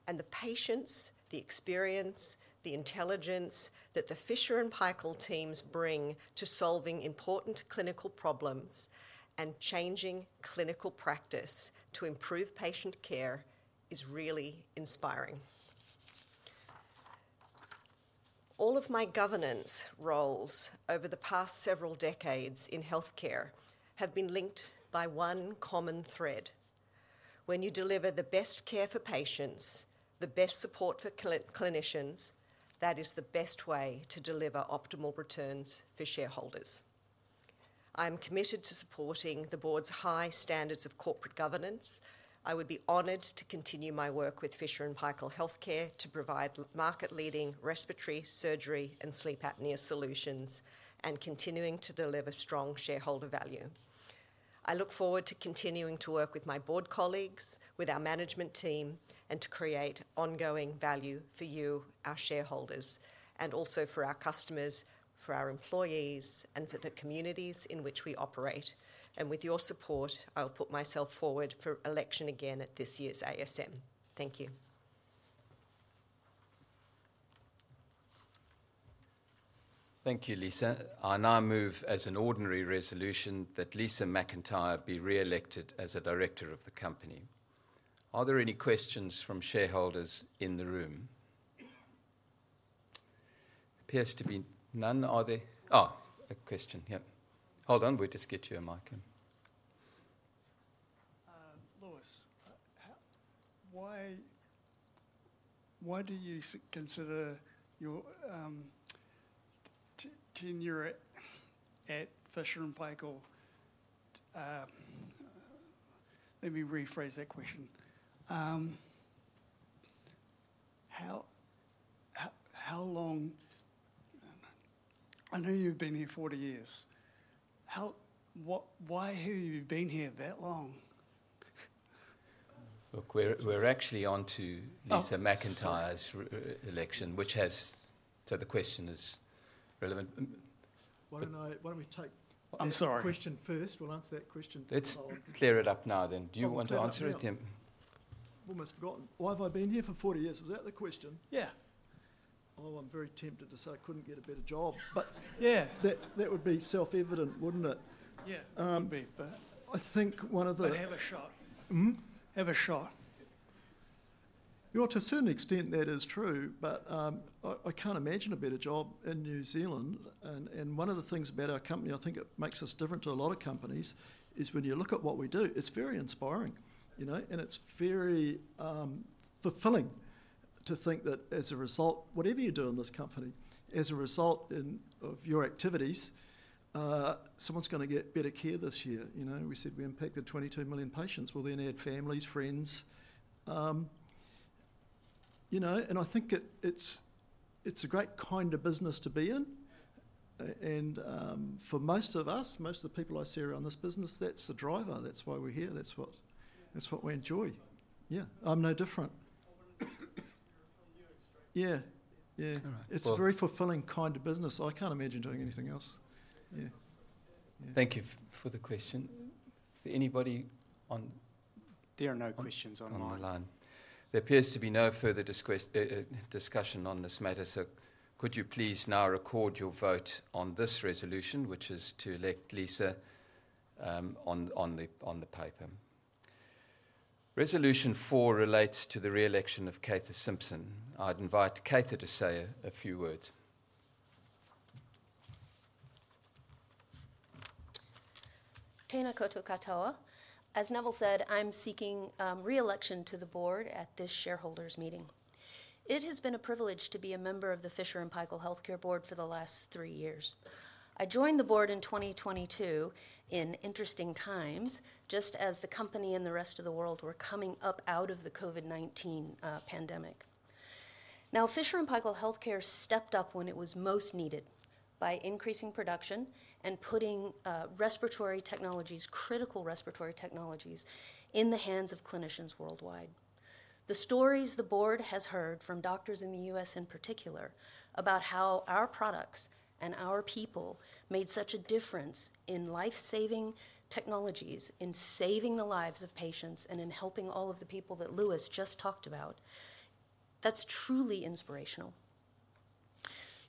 S7: The patience, the experience, the intelligence that the Fisher & Paykel teams bring to solving important clinical problems and changing clinical practice to improve patient care is really inspiring. All of my governance roles over the past several decades in healthcare have been linked by one common thread. When you deliver the best care for patients, the best support for clinicians, that is the best way to deliver optimal returns for shareholders. I am committed to supporting the board's high standards of corporate governance. I would be honored to continue my work with Fisher & Paykel Healthcare to provide market-leading respiratory, surgery, and sleep apnea solutions and continuing to deliver strong shareholder value. I look forward to continuing to work with my board colleagues, with our management team, and to create ongoing value for you, our shareholders, and also for our customers, for our employees, and for the communities in which we operate. With your support, I'll put myself forward for election again at this year's ASM. Thank you.
S1: Thank you, Lisa. I now move as an ordinary resolution that Lisa McIntyre be re-elected as a director of the company. Are there any questions from shareholders in the room? Appears to be none. Are there? Oh, a question. Hold on. We'll just get you a mic. Lewis, why do you consider your tenure at Fisher & Paykel? How long? I know you've been here 40 years. Why have you been here that long? Look, we're actually onto Lisa McIntyre's election, which has, so the question is relevant.
S3: Why don't we take the question first? We'll answer that question.
S1: Let's clear it up now. Do you want to answer it, Tim?
S3: Almost forgotten. Why have I been here for 40 years? Was that the question?
S1: Yeah.
S3: Oh, I'm very tempted to say I couldn't get a better job, but yeah, that would be self-evident, wouldn't it?
S1: Yeah, it would be.
S3: I think one of the
S1: Have a shot.
S3: Have a shot. You know, to a certain extent, that is true, but I can't imagine a better job in New Zealand. One of the things about our company, I think it makes us different to a lot of companies, is when you look at what we do, it's very inspiring, you know, and it's very fulfilling to think that as a result, whatever you do in this company, as a result of your activities, someone's going to get better care this year. We said we impacted 22 million patients. Add families, friends, you know, and I think it's a great kind of business to be in. For most of us, most of the people I see around this business, that's the driver. That's why we're here. That's what we enjoy. I'm no different. Yeah, yeah. It's a very fulfilling kind of business. I can't imagine doing anything else. Yeah.
S1: Thank you for the question. Is there anybody on? There are no questions on my line. There appears to be no further discussion on this matter, so could you please now record your vote on this resolution, which is to elect Lisa McIntyre on the paper. Resolution four relates to the re-election of Cather Simpson. I'd invite Cather to say a few words.
S8: Thank you, Neville. As Neville said, I'm seeking re-election to the Board at this shareholders' meeting. It has been a privilege to be a member of the Fisher & Paykel Healthcare Board for the last three years. I joined the Board in 2022 in interesting times, just as the company and the rest of the world were coming up out of the COVID-19 pandemic. Now, Fisher & Paykel Healthcare stepped up when it was most needed by increasing production and putting critical respiratory technologies in the hands of clinicians worldwide. The stories the Board has heard from doctors in the U.S. in particular about how our products and our people made such a difference in life-saving technologies, in saving the lives of patients, and in helping all of the people that Lewis just talked about, that's truly inspirational.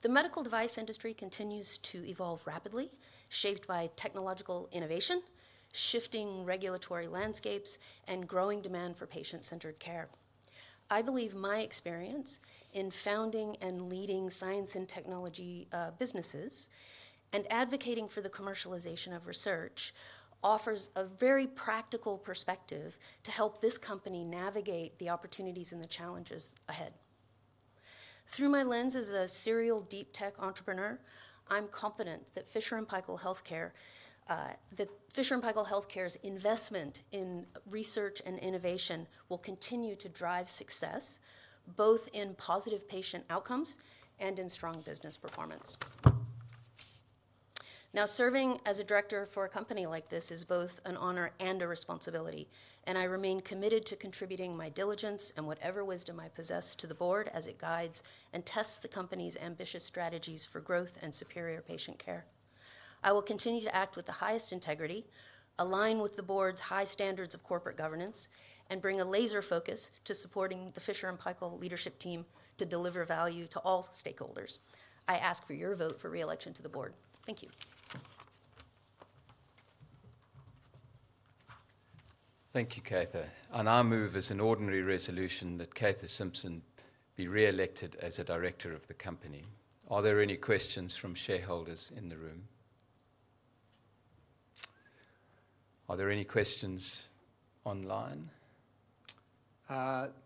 S8: The medical device industry continues to evolve rapidly, shaped by technological innovation, shifting regulatory landscapes, and growing demand for patient-centered care. I believe my experience in founding and leading science and technology businesses and advocating for the commercialization of research offers a very practical perspective to help this company navigate the opportunities and the challenges ahead. Through my lens as a serial deep tech entrepreneur, I'm confident that Fisher & Paykel Healthcare's investment in research and innovation will continue to drive success, both in positive patient outcomes and in strong business performance. Serving as a Director for a company like this is both an honor and a responsibility, and I remain committed to contributing my diligence and whatever wisdom I possess to the Board as it guides and tests the company's ambitious strategies for growth and superior patient care. I will continue to act with the highest integrity, align with the Board's high standards of corporate governance, and bring a laser focus to supporting the Fisher & Paykel Healthcare leadership team to deliver value to all stakeholders. I ask for your vote for re-election to the Board. Thank you.
S1: Thank you, Cather. I move as an ordinary resolution that Cather Simpson be re-elected as a director of the company. Are there any questions from shareholders in the room? Are there any questions online?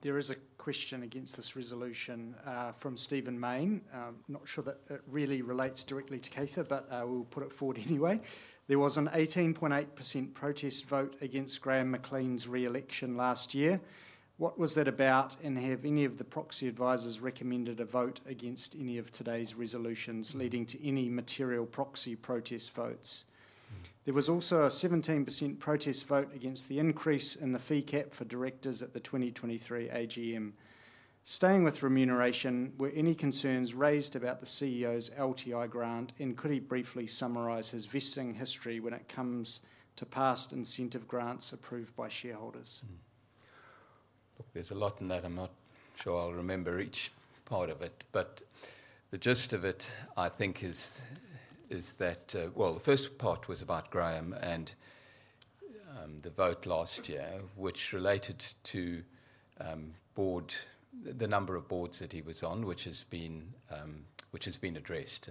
S6: There is a question against this resolution from Stephen Main. I'm not sure that it really relates directly to Cather, but I will put it forward anyway. There was an 18.8% protest vote against Graham McLean's re-election last year. What was that about, and have any of the proxy advisors recommended a vote against any of today's resolutions leading to any material proxy protest votes? There was also a 17% protest vote against the increase in the fee cap for directors at the 2023 AGM. Staying with remuneration, were any concerns raised about the CEO's LTI grant, and could he briefly summarize his vesting history when it comes to past incentive grants approved by shareholders?
S1: Look, there's a lot in that. I'm not sure I'll remember each part of it, but the gist of it, I think, is that the first part was about Graham and the vote last year, which related to the number of boards that he was on, which has been addressed.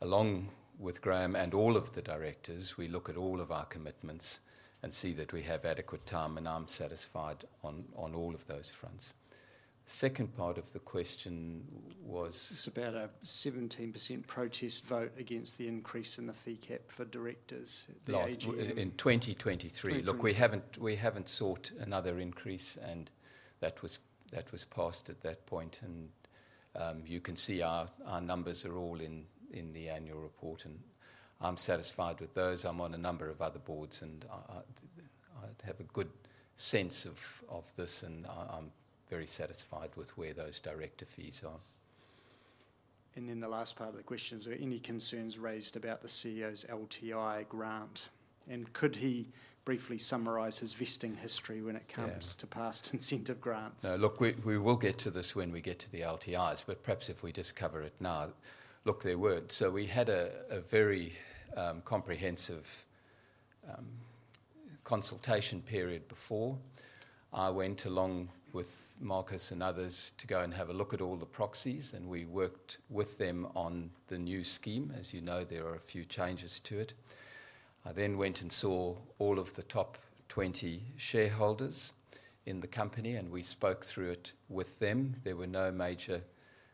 S1: Along with Graham and all of the directors, we look at all of our commitments and see that we have adequate time, and I'm satisfied on all of those fronts. The second part of the question was.
S6: It's about a 17% protest vote against the increase in the fee cap for directors?
S1: In 2023, we haven't sought another increase, and that was passed at that point. You can see our numbers are all in the annual report, and I'm satisfied with those. I'm on a number of other boards, and I have a good sense of this. I'm very satisfied with where those director fees are.
S6: The last part of the question is, are there any concerns raised about the CEO's LTI grant, and could he briefly summarize his vesting history when it comes to past incentive grants?
S1: Look, we will get to this when we get to the LTIs, but perhaps if we just cover it now, they would. We had a very comprehensive consultation period before. I went along with Marcus and others to go and have a look at all the proxies, and we worked with them on the new scheme. As you know, there are a few changes to it. I then went and saw all of the top 20 shareholders in the company, and we spoke through it with them. There were no major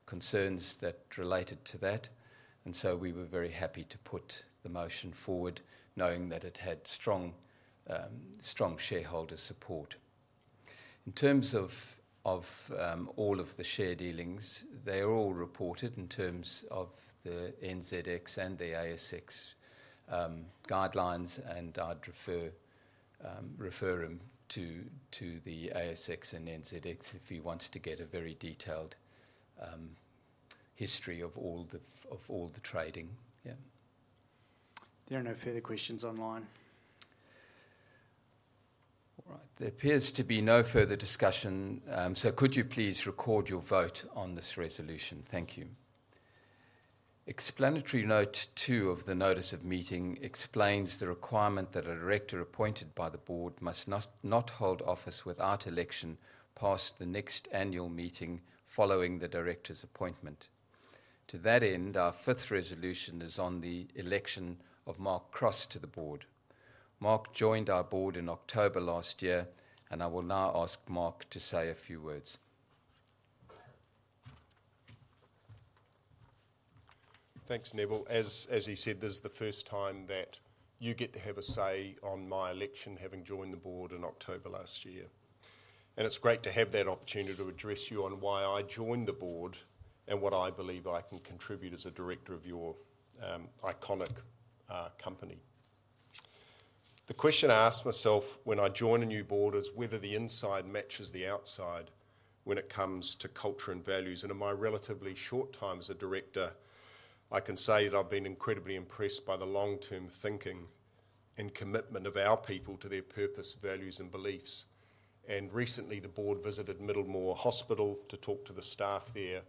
S1: concerns that related to that, and we were very happy to put the motion forward, knowing that it had strong shareholder support. In terms of all of the share dealings, they're all reported in terms of the NZX and the ASX guidelines, and I'd refer him to the ASX and NZX if he wants to get a very detailed history of all the trading.
S6: There are no further questions online.
S1: All right. There appears to be no further discussion, so could you please record your vote on this resolution? Thank you. Explanatory note two of the notice of meeting explains the requirement that a director appointed by the board must not hold office without election past the next annual meeting following the director's appointment. To that end, our fifth resolution is on the election of Mark Cross to the board. Mark joined our board in October last year, and I will now ask Mark to say a few words.
S9: Thanks, Neville. As he said, this is the first time that you get to have a say on my election, having joined the board in October last year. It's great to have that opportunity to address you on why I joined the board and what I believe I can contribute as a director of your iconic company. The question I ask myself when I join a new board is whether the inside matches the outside when it comes to culture and values. In my relatively short time as a director, I can say that I've been incredibly impressed by the long-term thinking and commitment of our people to their purpose, values, and beliefs. Recently, the board visited Middlemore Hospital to talk to the staff there,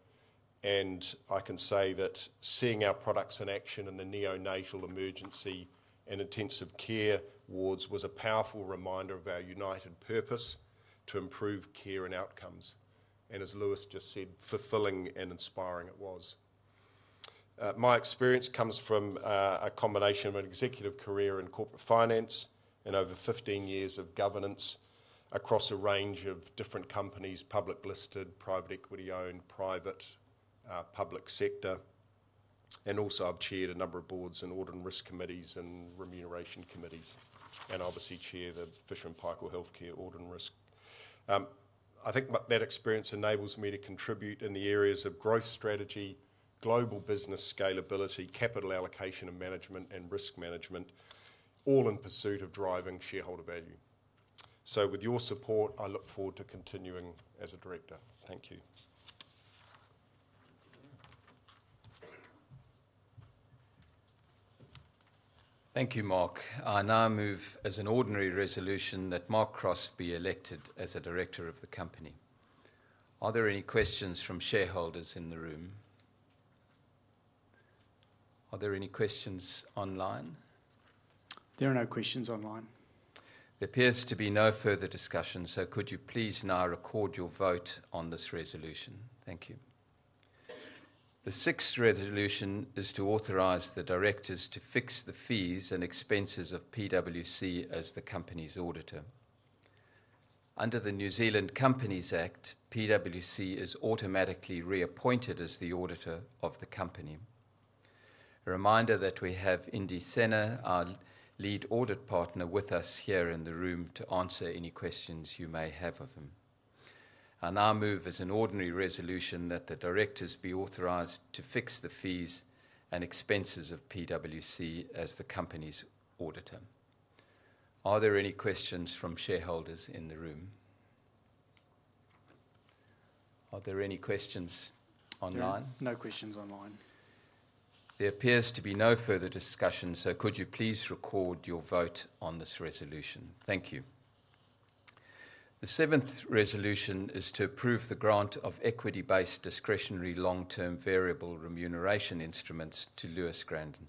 S9: and I can say that seeing our products in action in the neonatal emergency and intensive care wards was a powerful reminder of our united purpose to improve care and outcomes. As Lewis just said, fulfilling and inspiring it was. My experience comes from a combination of an executive career in corporate finance and over 15 years of governance across a range of different companies, public listed, private equity-owned, private, public sector. I've chaired a number of boards and audit and risk committees and remuneration committees, and I obviously chair the Fisher & Paykel Healthcare audit and risk. I think that experience enables me to contribute in the areas of growth strategy, global business scalability, capital allocation and management, and risk management, all in pursuit of driving shareholder value. With your support, I look forward to continuing as a director. Thank you.
S1: Thank you, Mark. I now move as an ordinary resolution that Mark Cross be elected as a Director of the company. Are there any questions from shareholders in the room? Are there any questions online?
S6: There are no questions online.
S1: There appears to be no further discussion, so could you please now record your vote on this resolution? Thank you. The sixth resolution is to authorize the directors to fix the fees and expenses of PwC as the company's auditor. Under the New Zealand Companies Act, PwC is automatically reappointed as the auditor of the company. A reminder that we have Indy Senna, our lead audit partner, with us here in the room to answer any questions you may have of him. I now move as an ordinary resolution that the directors be authorized to fix the fees and expenses of PwC as the company's auditor. Are there any questions from shareholders in the room? Are there any questions online?
S6: No questions online.
S1: There appears to be no further discussion, so could you please record your vote on this resolution? Thank you. The seventh resolution is to approve the grant of equity-based discretionary long-term variable remuneration instruments to Lewis Gradon,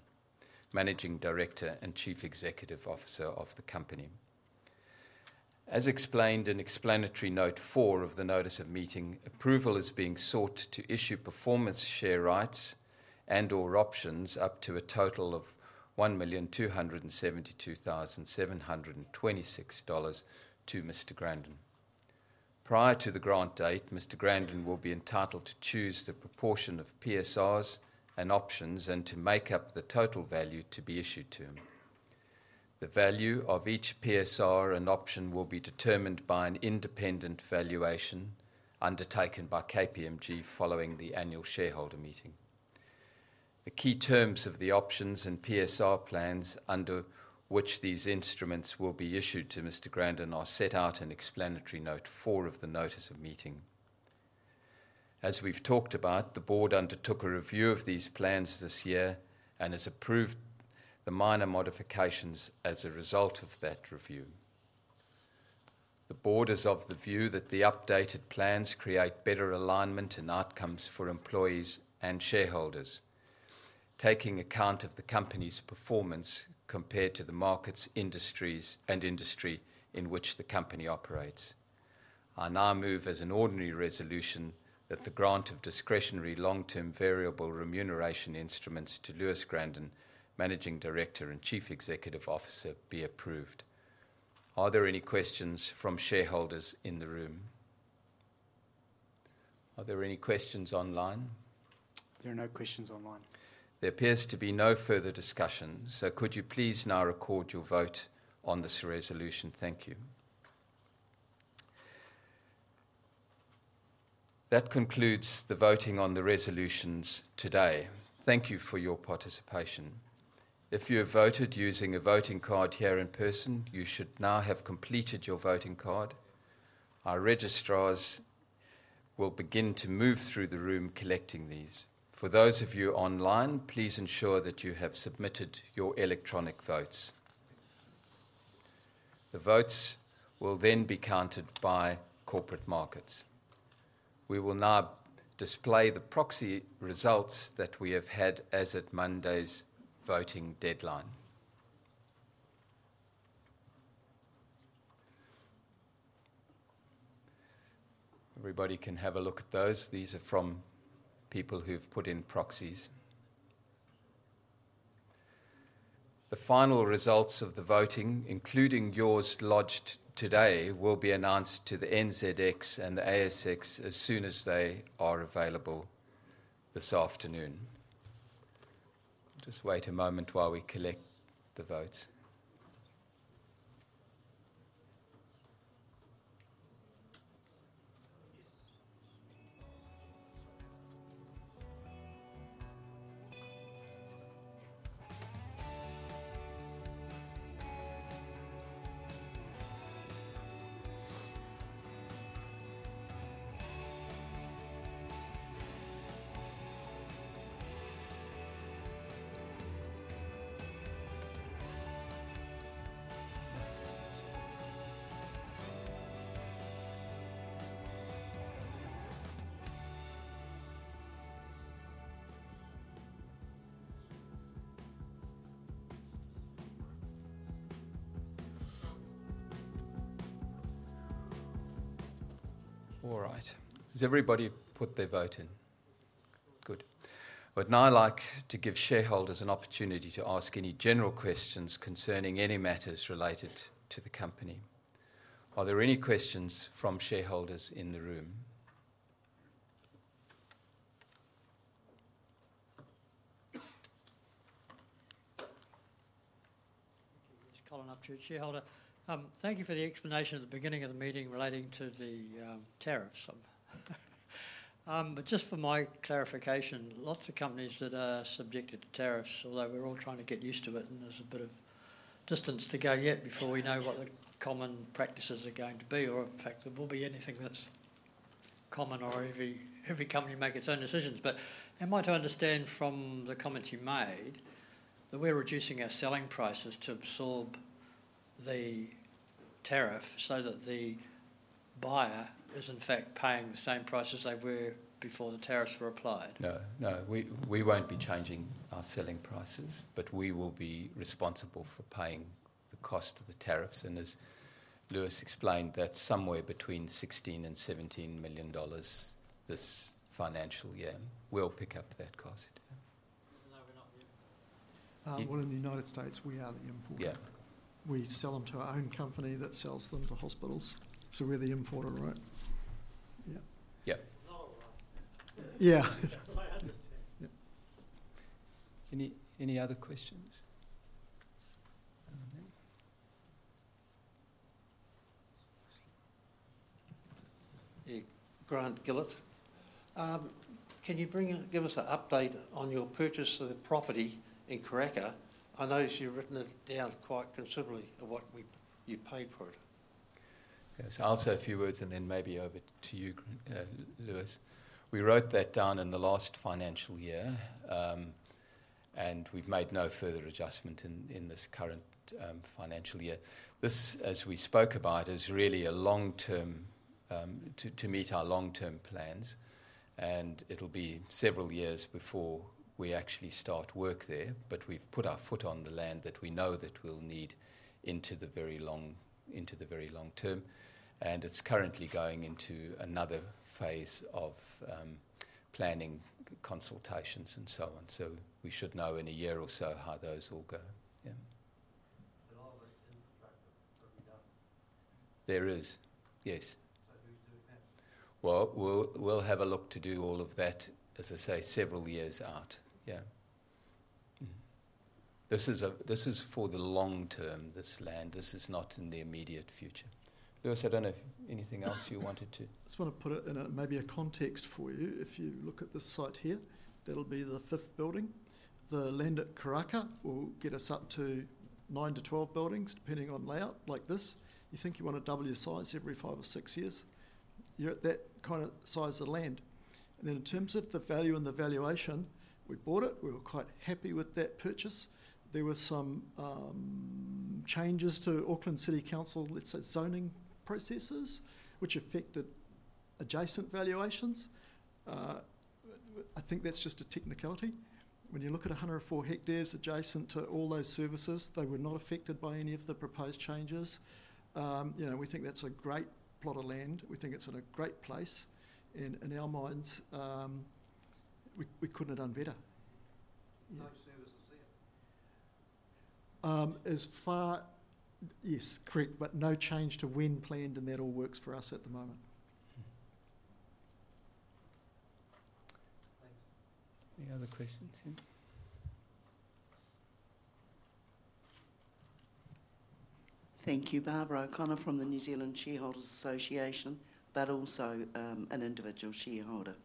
S1: Managing Director and Chief Executive Officer of the company. As explained in Explanatory Note 4. The notice of meeting approval is being sought to issue performance share rights and/or options up to a total of 1,272,726 dollars to Mr. Gradon. Prior to the grant date, Mr. Gradon will be entitled to choose the proportion of PSRs and options to make up the total value to be issued to him. The value of each PSR and option will be determined by an independent valuation undertaken by KPMG following the annual shareholder meeting. The key terms of the options and PSR plans under which these instruments will be issued to Mr. Gradon are set out in Explanatory Note 4 of the notice of meeting. As we've talked about, the board undertook a review of these plans this year and has approved the minor modifications as a result of that review. The board is of the view that the updated plans create better alignment and outcomes for employees and shareholders, taking account of the company's performance compared to the markets, industries, and industry in which the company operates. I now move as an ordinary resolution that the grant of discretionary long-term variable remuneration instruments to Lewis Gradon, Managing Director and Chief Executive Officer, be approved. Are there any questions from shareholders in the room? Are there any questions online?
S6: There are no questions online.
S1: There appears to be no further discussion, so could you please now record your vote on this resolution? Thank you. That concludes the voting on the resolutions today. Thank you for your participation. If you have voted using a voting card here in person, you should now have completed your voting card. Our registrars will begin to move through the room collecting these. For those of you online, please ensure that you have submitted your electronic votes. The votes will then be counted by Corporate Markets. We will now display the proxy results that we have had as at Monday's voting deadline. Everybody can have a look at those. These are from people who have put in proxies. The final results of the voting, including yours lodged today, will be announced to the NZX and the ASX as soon as they are available this afternoon. Just wait a moment while we collect the votes. Nothing supported. All right. Has everybody put their vote in? Good. I would now like to give shareholders an opportunity to ask any general questions concerning any matters related to the company. Are there any questions from shareholders in the room? Just calling up to a shareholder. Thank you for the explanation at the beginning of the meeting relating to the tariffs. For my clarification, lots of companies that are subjected to tariffs, although we're all trying to get used to it, and there's a bit of distance to go yet before we know what the common practices are going to be, or in fact, there will be anything that's common, or every company makes its own decisions. Am I to understand from the comments you made that we're reducing our selling prices to absorb the tariff so that the buyer is in fact paying the same price as they were before the tariffs were applied? No, no, we won't be changing our selling prices, but we will be responsible for paying the cost of the tariffs. As Lewis explained, that's somewhere between 16 million and 17 million dollars this financial year. We'll pick up that cost. Even though we're not the...
S3: In the U.S., we are the importer. Yeah, we sell them to our own company that sells them to hospitals. We're the importer, right? Yeah.
S1: Yeah. Yeah, any other questions? Can you give us an update on your purchase of the property in Karaka? I noticed you've written it down quite considerably of what you paid for it. I'll say a few words and then maybe over to you, Lewis. We wrote that down in the last financial year, and we've made no further adjustment in this current financial year. This, as we spoke about, is really a long-term to meet our long-term plans, and it'll be several years before we actually start work there. We've put our foot on the land that we know that we'll need into the very long term, and it's currently going into another phase of planning consultations and so on. We should know in a year or so how those will go. There is. We'll have a look to do all of that, as I say, several years out. This is for the long term, this land. This is not in the immediate future. Lewis, I don't know if anything else you wanted to...
S3: I just want to put it in maybe a context for you. If you look at this site here, that'll be the fifth building. The land at Karaka will get us up to nine to twelve buildings, depending on layout. Like this, you think you want to double your size every five or six years. You're at that kind of size of land. In terms of the value and the valuation, we bought it. We were quite happy with that purchase. There were some changes to Auckland City Council, let's say, zoning processes, which affected adjacent valuations. I think that's just a technicality. When you look at 104 hectares adjacent to all those services, they were not affected by any of the proposed changes. We think that's a great plot of land. We think it's in a great place. In our minds, we couldn't have done better. Yes, correct. No change to when planned, and that all works for us at the moment.
S1: Any other questions, Tim?
S10: Thank you, Barbara O'Connor from the New Zealand Shareholders Association, but also an individual shareholder.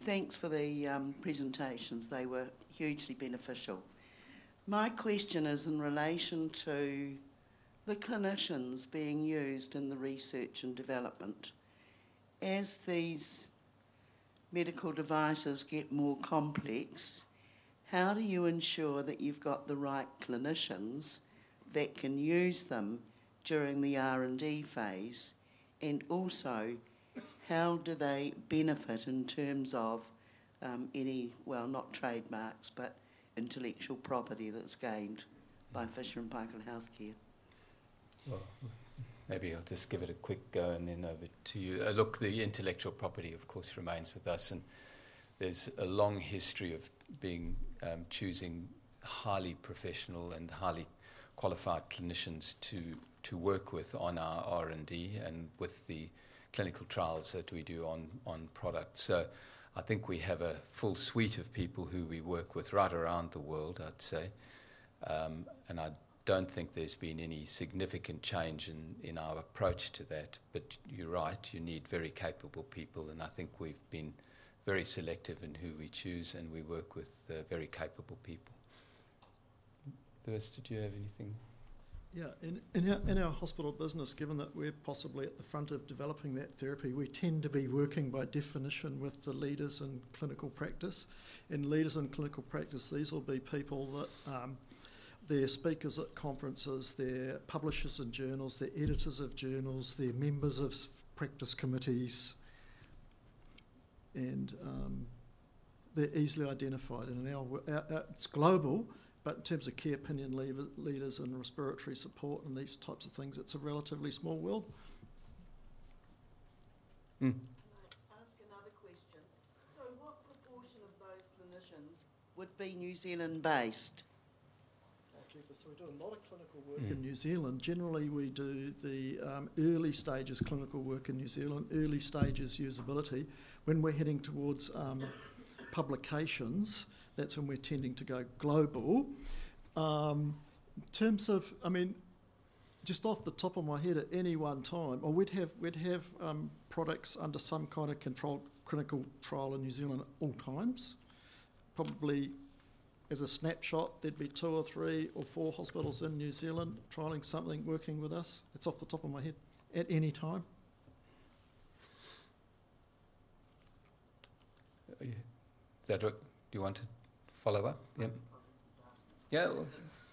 S10: Thanks for the presentations. They were hugely beneficial. My question is in relation to the clinicians being used in the research and development. As these medical devices get more complex, how do you ensure that you've got the right clinicians that can use them during the R&D phase? Also, how do they benefit in terms of any, not trademarks, but intellectual property that's gained by Fisher & Paykel Healthcare?
S1: Maybe I'll just give it a quick go and then over to you. Look, the intellectual property, of course, remains with us. There's a long history of choosing highly professional and highly qualified clinicians to work with on our R&D and with the clinical trials that we do on products. I think we have a full suite of people who we work with right around the world, I'd say. I don't think there's been any significant change in our approach to that. You're right, you need very capable people. I think we've been very selective in who we choose, and we work with very capable people. Lewis, did you have anything?
S3: In our hospital business, given that we're possibly at the front of developing that therapy, we tend to be working by definition with the leaders in clinical practice. Leaders in clinical practice, these will be people that are speakers at conferences, publishers in journals, editors of journals, members of practice committees, and they're easily identified. Now it's global, but in terms of care opinion leaders and respiratory support and these types of things, it's a relatively small world.
S10: Another question. What proportion of those clinicians would be New Zealand-based?
S3: Oh, geepers. We do a lot of clinical work in New Zealand. Generally, we do the early stages clinical work in New Zealand, early stages usability. When we're heading towards publications, that's when we're tending to go global. In terms of, I mean, just off the top of my head, at any one time, we'd have products under some kind of controlled clinical trial in New Zealand at all times. Probably as a snapshot, there'd be two or three or four hospitals in New Zealand trialing something working with us. It's off the top of my head at any time.
S1: Do you want to follow up? Yeah,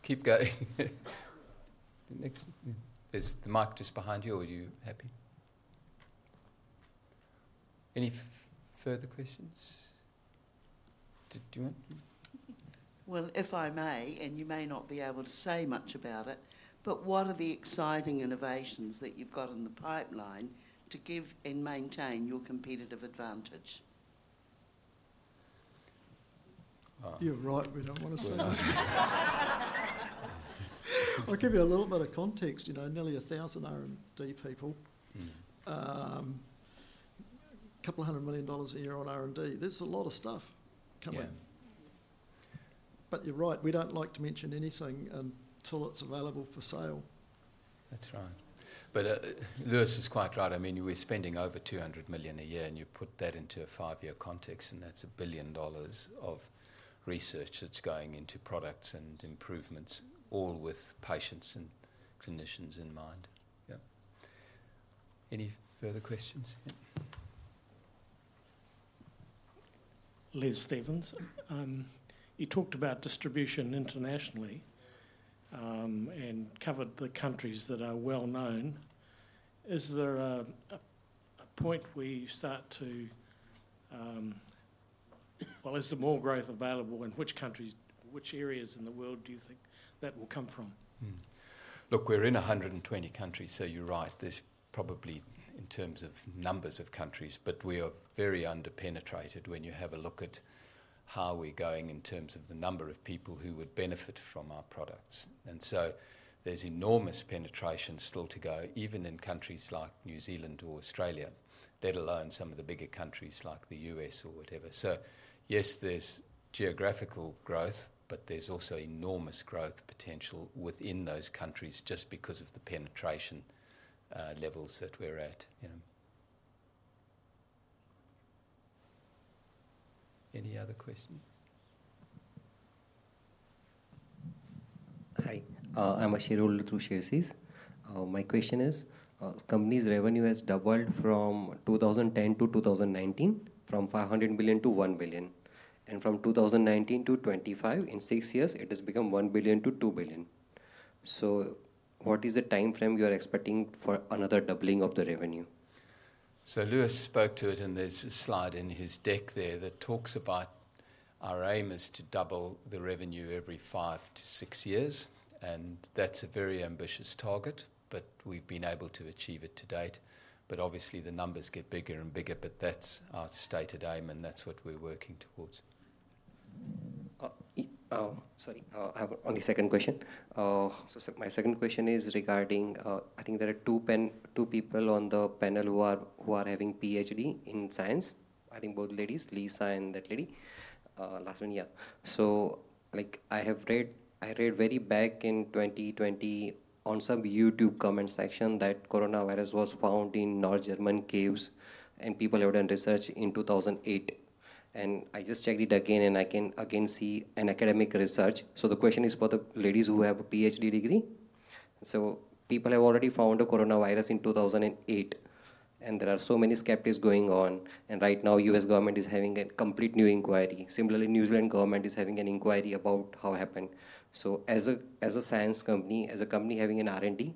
S1: keep going. Is the mic just behind you or are you happy? Any further questions? Did you want...
S10: If I may, and you may not be able to say much about it, what are the exciting innovations that you've got in the pipeline to give and maintain your competitive advantage?
S3: You're right. We don't want to say that. I'll give you a little bit of context. You know, nearly 1,000 R&D people, a couple hundred million dollars a year on R&D. There's a lot of stuff coming. You're right, we don't like to mention anything until it's available for sale.
S1: That's right. Lewis is quite right. I mean, we're spending over 200 million a year, and you put that into a five-year context, and that's 1 billion dollars of research that's going into products and improvements, all with patients and clinicians in mind. Any further questions? You talked about distribution internationally and covered the countries that are well known. Is there a point where you start to, is there more growth available in which countries, which areas in the world do you think that will come from? Look, we're in 120 countries, so you're right. There's probably, in terms of numbers of countries, but we are very underpenetrated when you have a look at how we're going in terms of the number of people who would benefit from our products. There's enormous penetration still to go, even in countries like New Zealand or Australia, let alone some of the bigger countries like the U.S. or whatever. Yes, there's geographical growth, but there's also enormous growth potential within those countries just because of the penetration levels that we're at. Any other questions? Hi. I'm a shareholder through ShareSees. My question is, the company's revenue has doubled from 2010 to 2019, from 500 million to 1 billion. From 2019 to 2025, in six years, it has become 1 billion to 2 billion. What is the time frame you're expecting for another doubling of the revenue? Lewis spoke to it, and there's a slide in his deck there that talks about our aim is to double the revenue every five to six years. That's a very ambitious target, but we've been able to achieve it to date. Obviously, the numbers get bigger and bigger, but that's our stated aim, and that's what we're working towards. Oh, sorry. I have only a second question. My second question is regarding, I think there are two people on the panel who have a PhD in science. I think both ladies, Lisa and that lady, last one, yeah. I have read, I read way back in 2020 on some YouTube comment section that coronavirus was found in North German caves and people have done research in 2008. I just checked it again, and I can again see an academic research. The question is for the ladies who have a PhD degree. People have already found a coronavirus in 2008, and there are so many skeptics going on. Right now, the U.S. government is having a complete new inquiry. Similarly, the New Zealand government is having an inquiry about how it happened. As a science company, as a company having an R&D,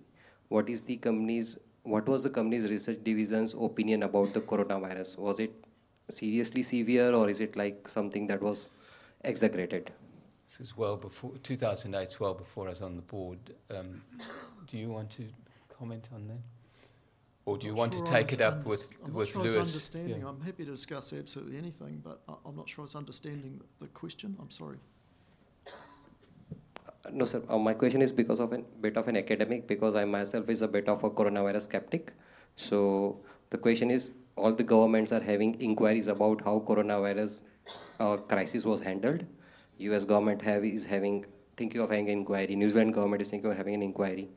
S1: what is the company's, what was the company's research division's opinion about the coronavirus? Was it seriously severe, or is it like something that was exaggerated? This is well before, 2008 is well before I was on the board. Do you want to comment on that, or do you want to take it up with Lewis?
S3: I'm happy to discuss absolutely anything, but I'm not sure I was understanding the question. I'm sorry. No, sir. My question is a bit of an academic one, because I myself am a bit of a coronavirus skeptic. The question is, all the governments are having inquiries about how the coronavirus crisis was handled. The U.S. government is thinking of having an inquiry. The New Zealand government is thinking of having an inquiry.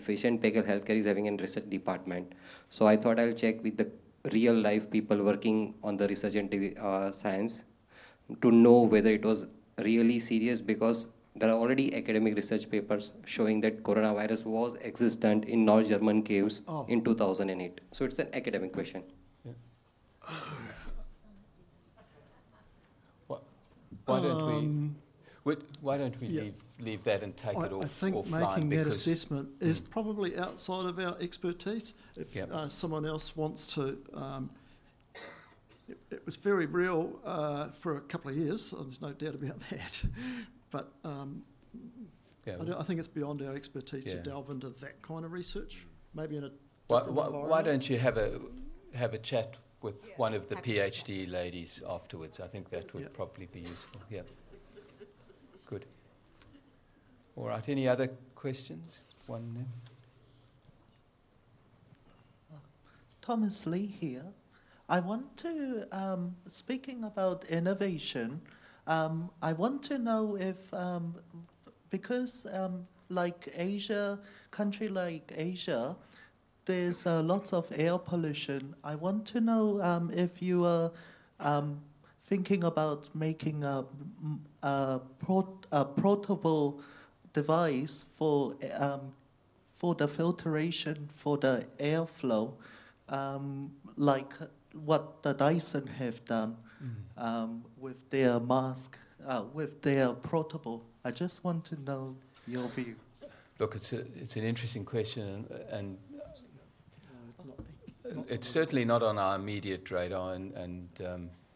S3: Fisher & Paykel Healthcare is having a research department. I thought I'd check with the real-life people working on the research and science to know whether it was really serious, because there are already academic research papers showing that coronavirus was existent in North German caves in 2008. It's an academic question.
S1: Why don't we leave that and take it off?
S3: I think because this is probably outside of our expertise. If someone else wants to, it was very real for a couple of years, and there's no doubt about that. I think it's beyond our expertise to delve into that kind of research. Maybe in a...
S1: Why don't you have a chat with one of the PhD ladies afterwards? I think that would probably be useful. Good. All right. Any other questions? One then. Thomas Lee here. Speaking about innovation, I want to know if, because like Asia, a country like Asia, there's lots of air pollution. I want to know if you are thinking about making a portable device for the filtration for the airflow, like what Dyson have done with their mask, with their portable. I just want to know your view. Look, it's an interesting question. It's certainly not on our immediate radar.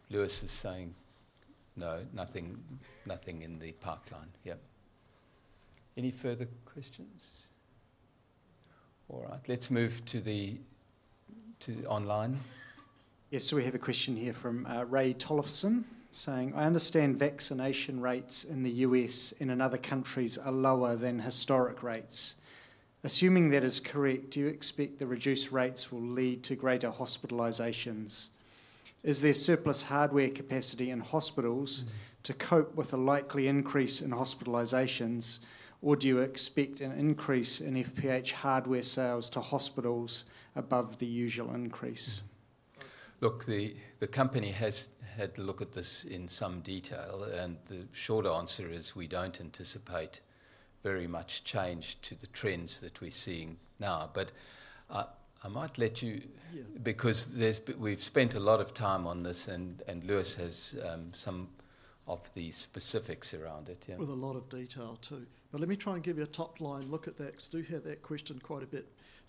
S1: Lewis is saying, no, nothing in the pipeline. Any further questions? All right, let's move to the online.
S6: Yes, we have a question here from Ray Tolleson saying, I understand vaccination rates in the U.S. and in other countries are lower than historic rates. Assuming that is correct, do you expect the reduced rates will lead to greater hospitalizations? Is there surplus hardware capacity in hospitals to cope with a likely increase in hospitalizations, or do you expect an increase in F&P hardware sales to hospitals above the usual increase?
S1: Look, the company has had to look at this in some detail, and the short answer is we don't anticipate very much change to the trends that we're seeing now. I might let you, because we've spent a lot of time on this, and Lewis has some of the specifics around it.
S3: With a lot of detail too. Let me try and give you a top line look at that, because I do have that question quite a bit.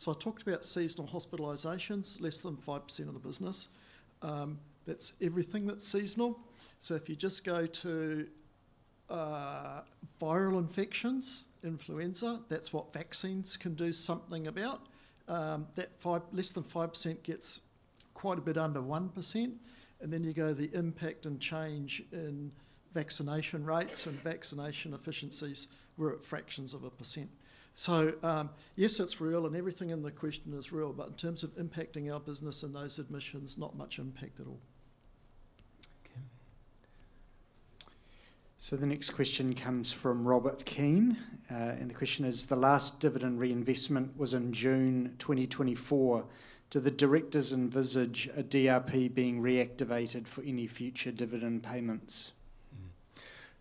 S3: I talked about seasonal hospitalizations, less than 5% of the business. That's everything that's seasonal. If you just go to viral infections, influenza, that's what vaccines can do something about. That less than 5% gets quite a bit under 1%. You go to the impact and change in vaccination rates and vaccination efficiencies, we're at fractions of a percent. Yes, it's real, and everything in the question is real, but in terms of impacting our business and those admissions, not much impact at all.
S6: The next question comes from Robert Keane, and the question is, the last dividend reinvestment was in June 2024. Do the directors envisage a DRP being reactivated for any future dividend payments?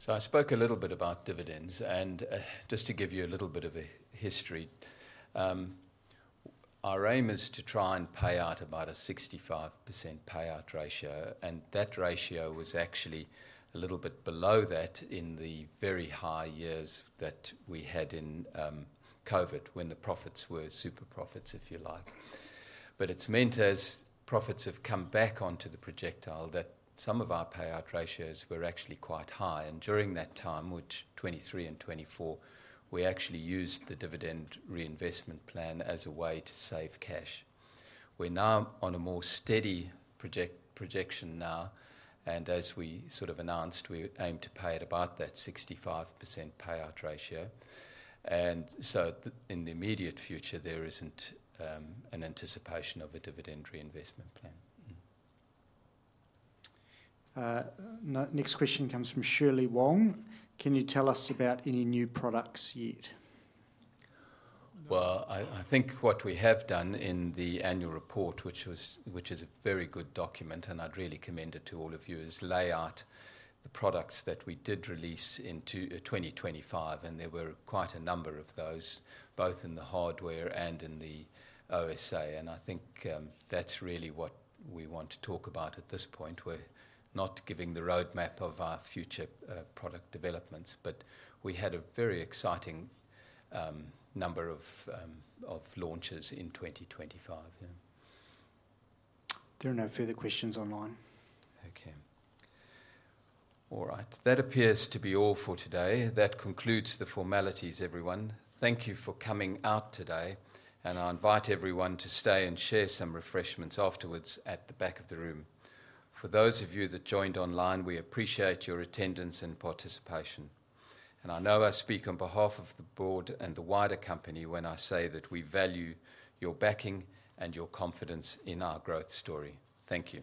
S1: I spoke a little bit about dividends, and just to give you a little bit of a history, our aim is to try and pay out about a 65% payout ratio, and that ratio was actually a little bit below that in the very high years that we had in COVID when the profits were super profits, if you like. It's meant as profits have come back onto the projectile that some of our payout ratios were actually quite high. During that time, which 2023 and 2024, we actually used the dividend reinvestment plan as a way to save cash. We're now on a more steady projection now, and as we sort of announced, we aim to pay at about that 65% payout ratio. In the immediate future, there isn't an anticipation of a dividend reinvestment plan.
S6: Next question comes from Shirley Wong. Can you tell us about any new products yet?
S1: I think what we have done in the annual report, which is a very good document, and I'd really commend it to all of you, is lay out the products that we did release in 2025. There were quite a number of those, both in the hardware and in the OSA. I think that's really what we want to talk about at this point. We're not giving the roadmap of our future product developments, but we had a very exciting number of launches in 2025.
S6: There are no further questions online.
S1: Okay. All right. That appears to be all for today. That concludes the formalities, everyone. Thank you for coming out today, and I invite everyone to stay and share some refreshments afterwards at the back of the room. For those of you that joined online, we appreciate your attendance and participation. I know I speak on behalf of the board and the wider company when I say that we value your backing and your confidence in our growth story. Thank you.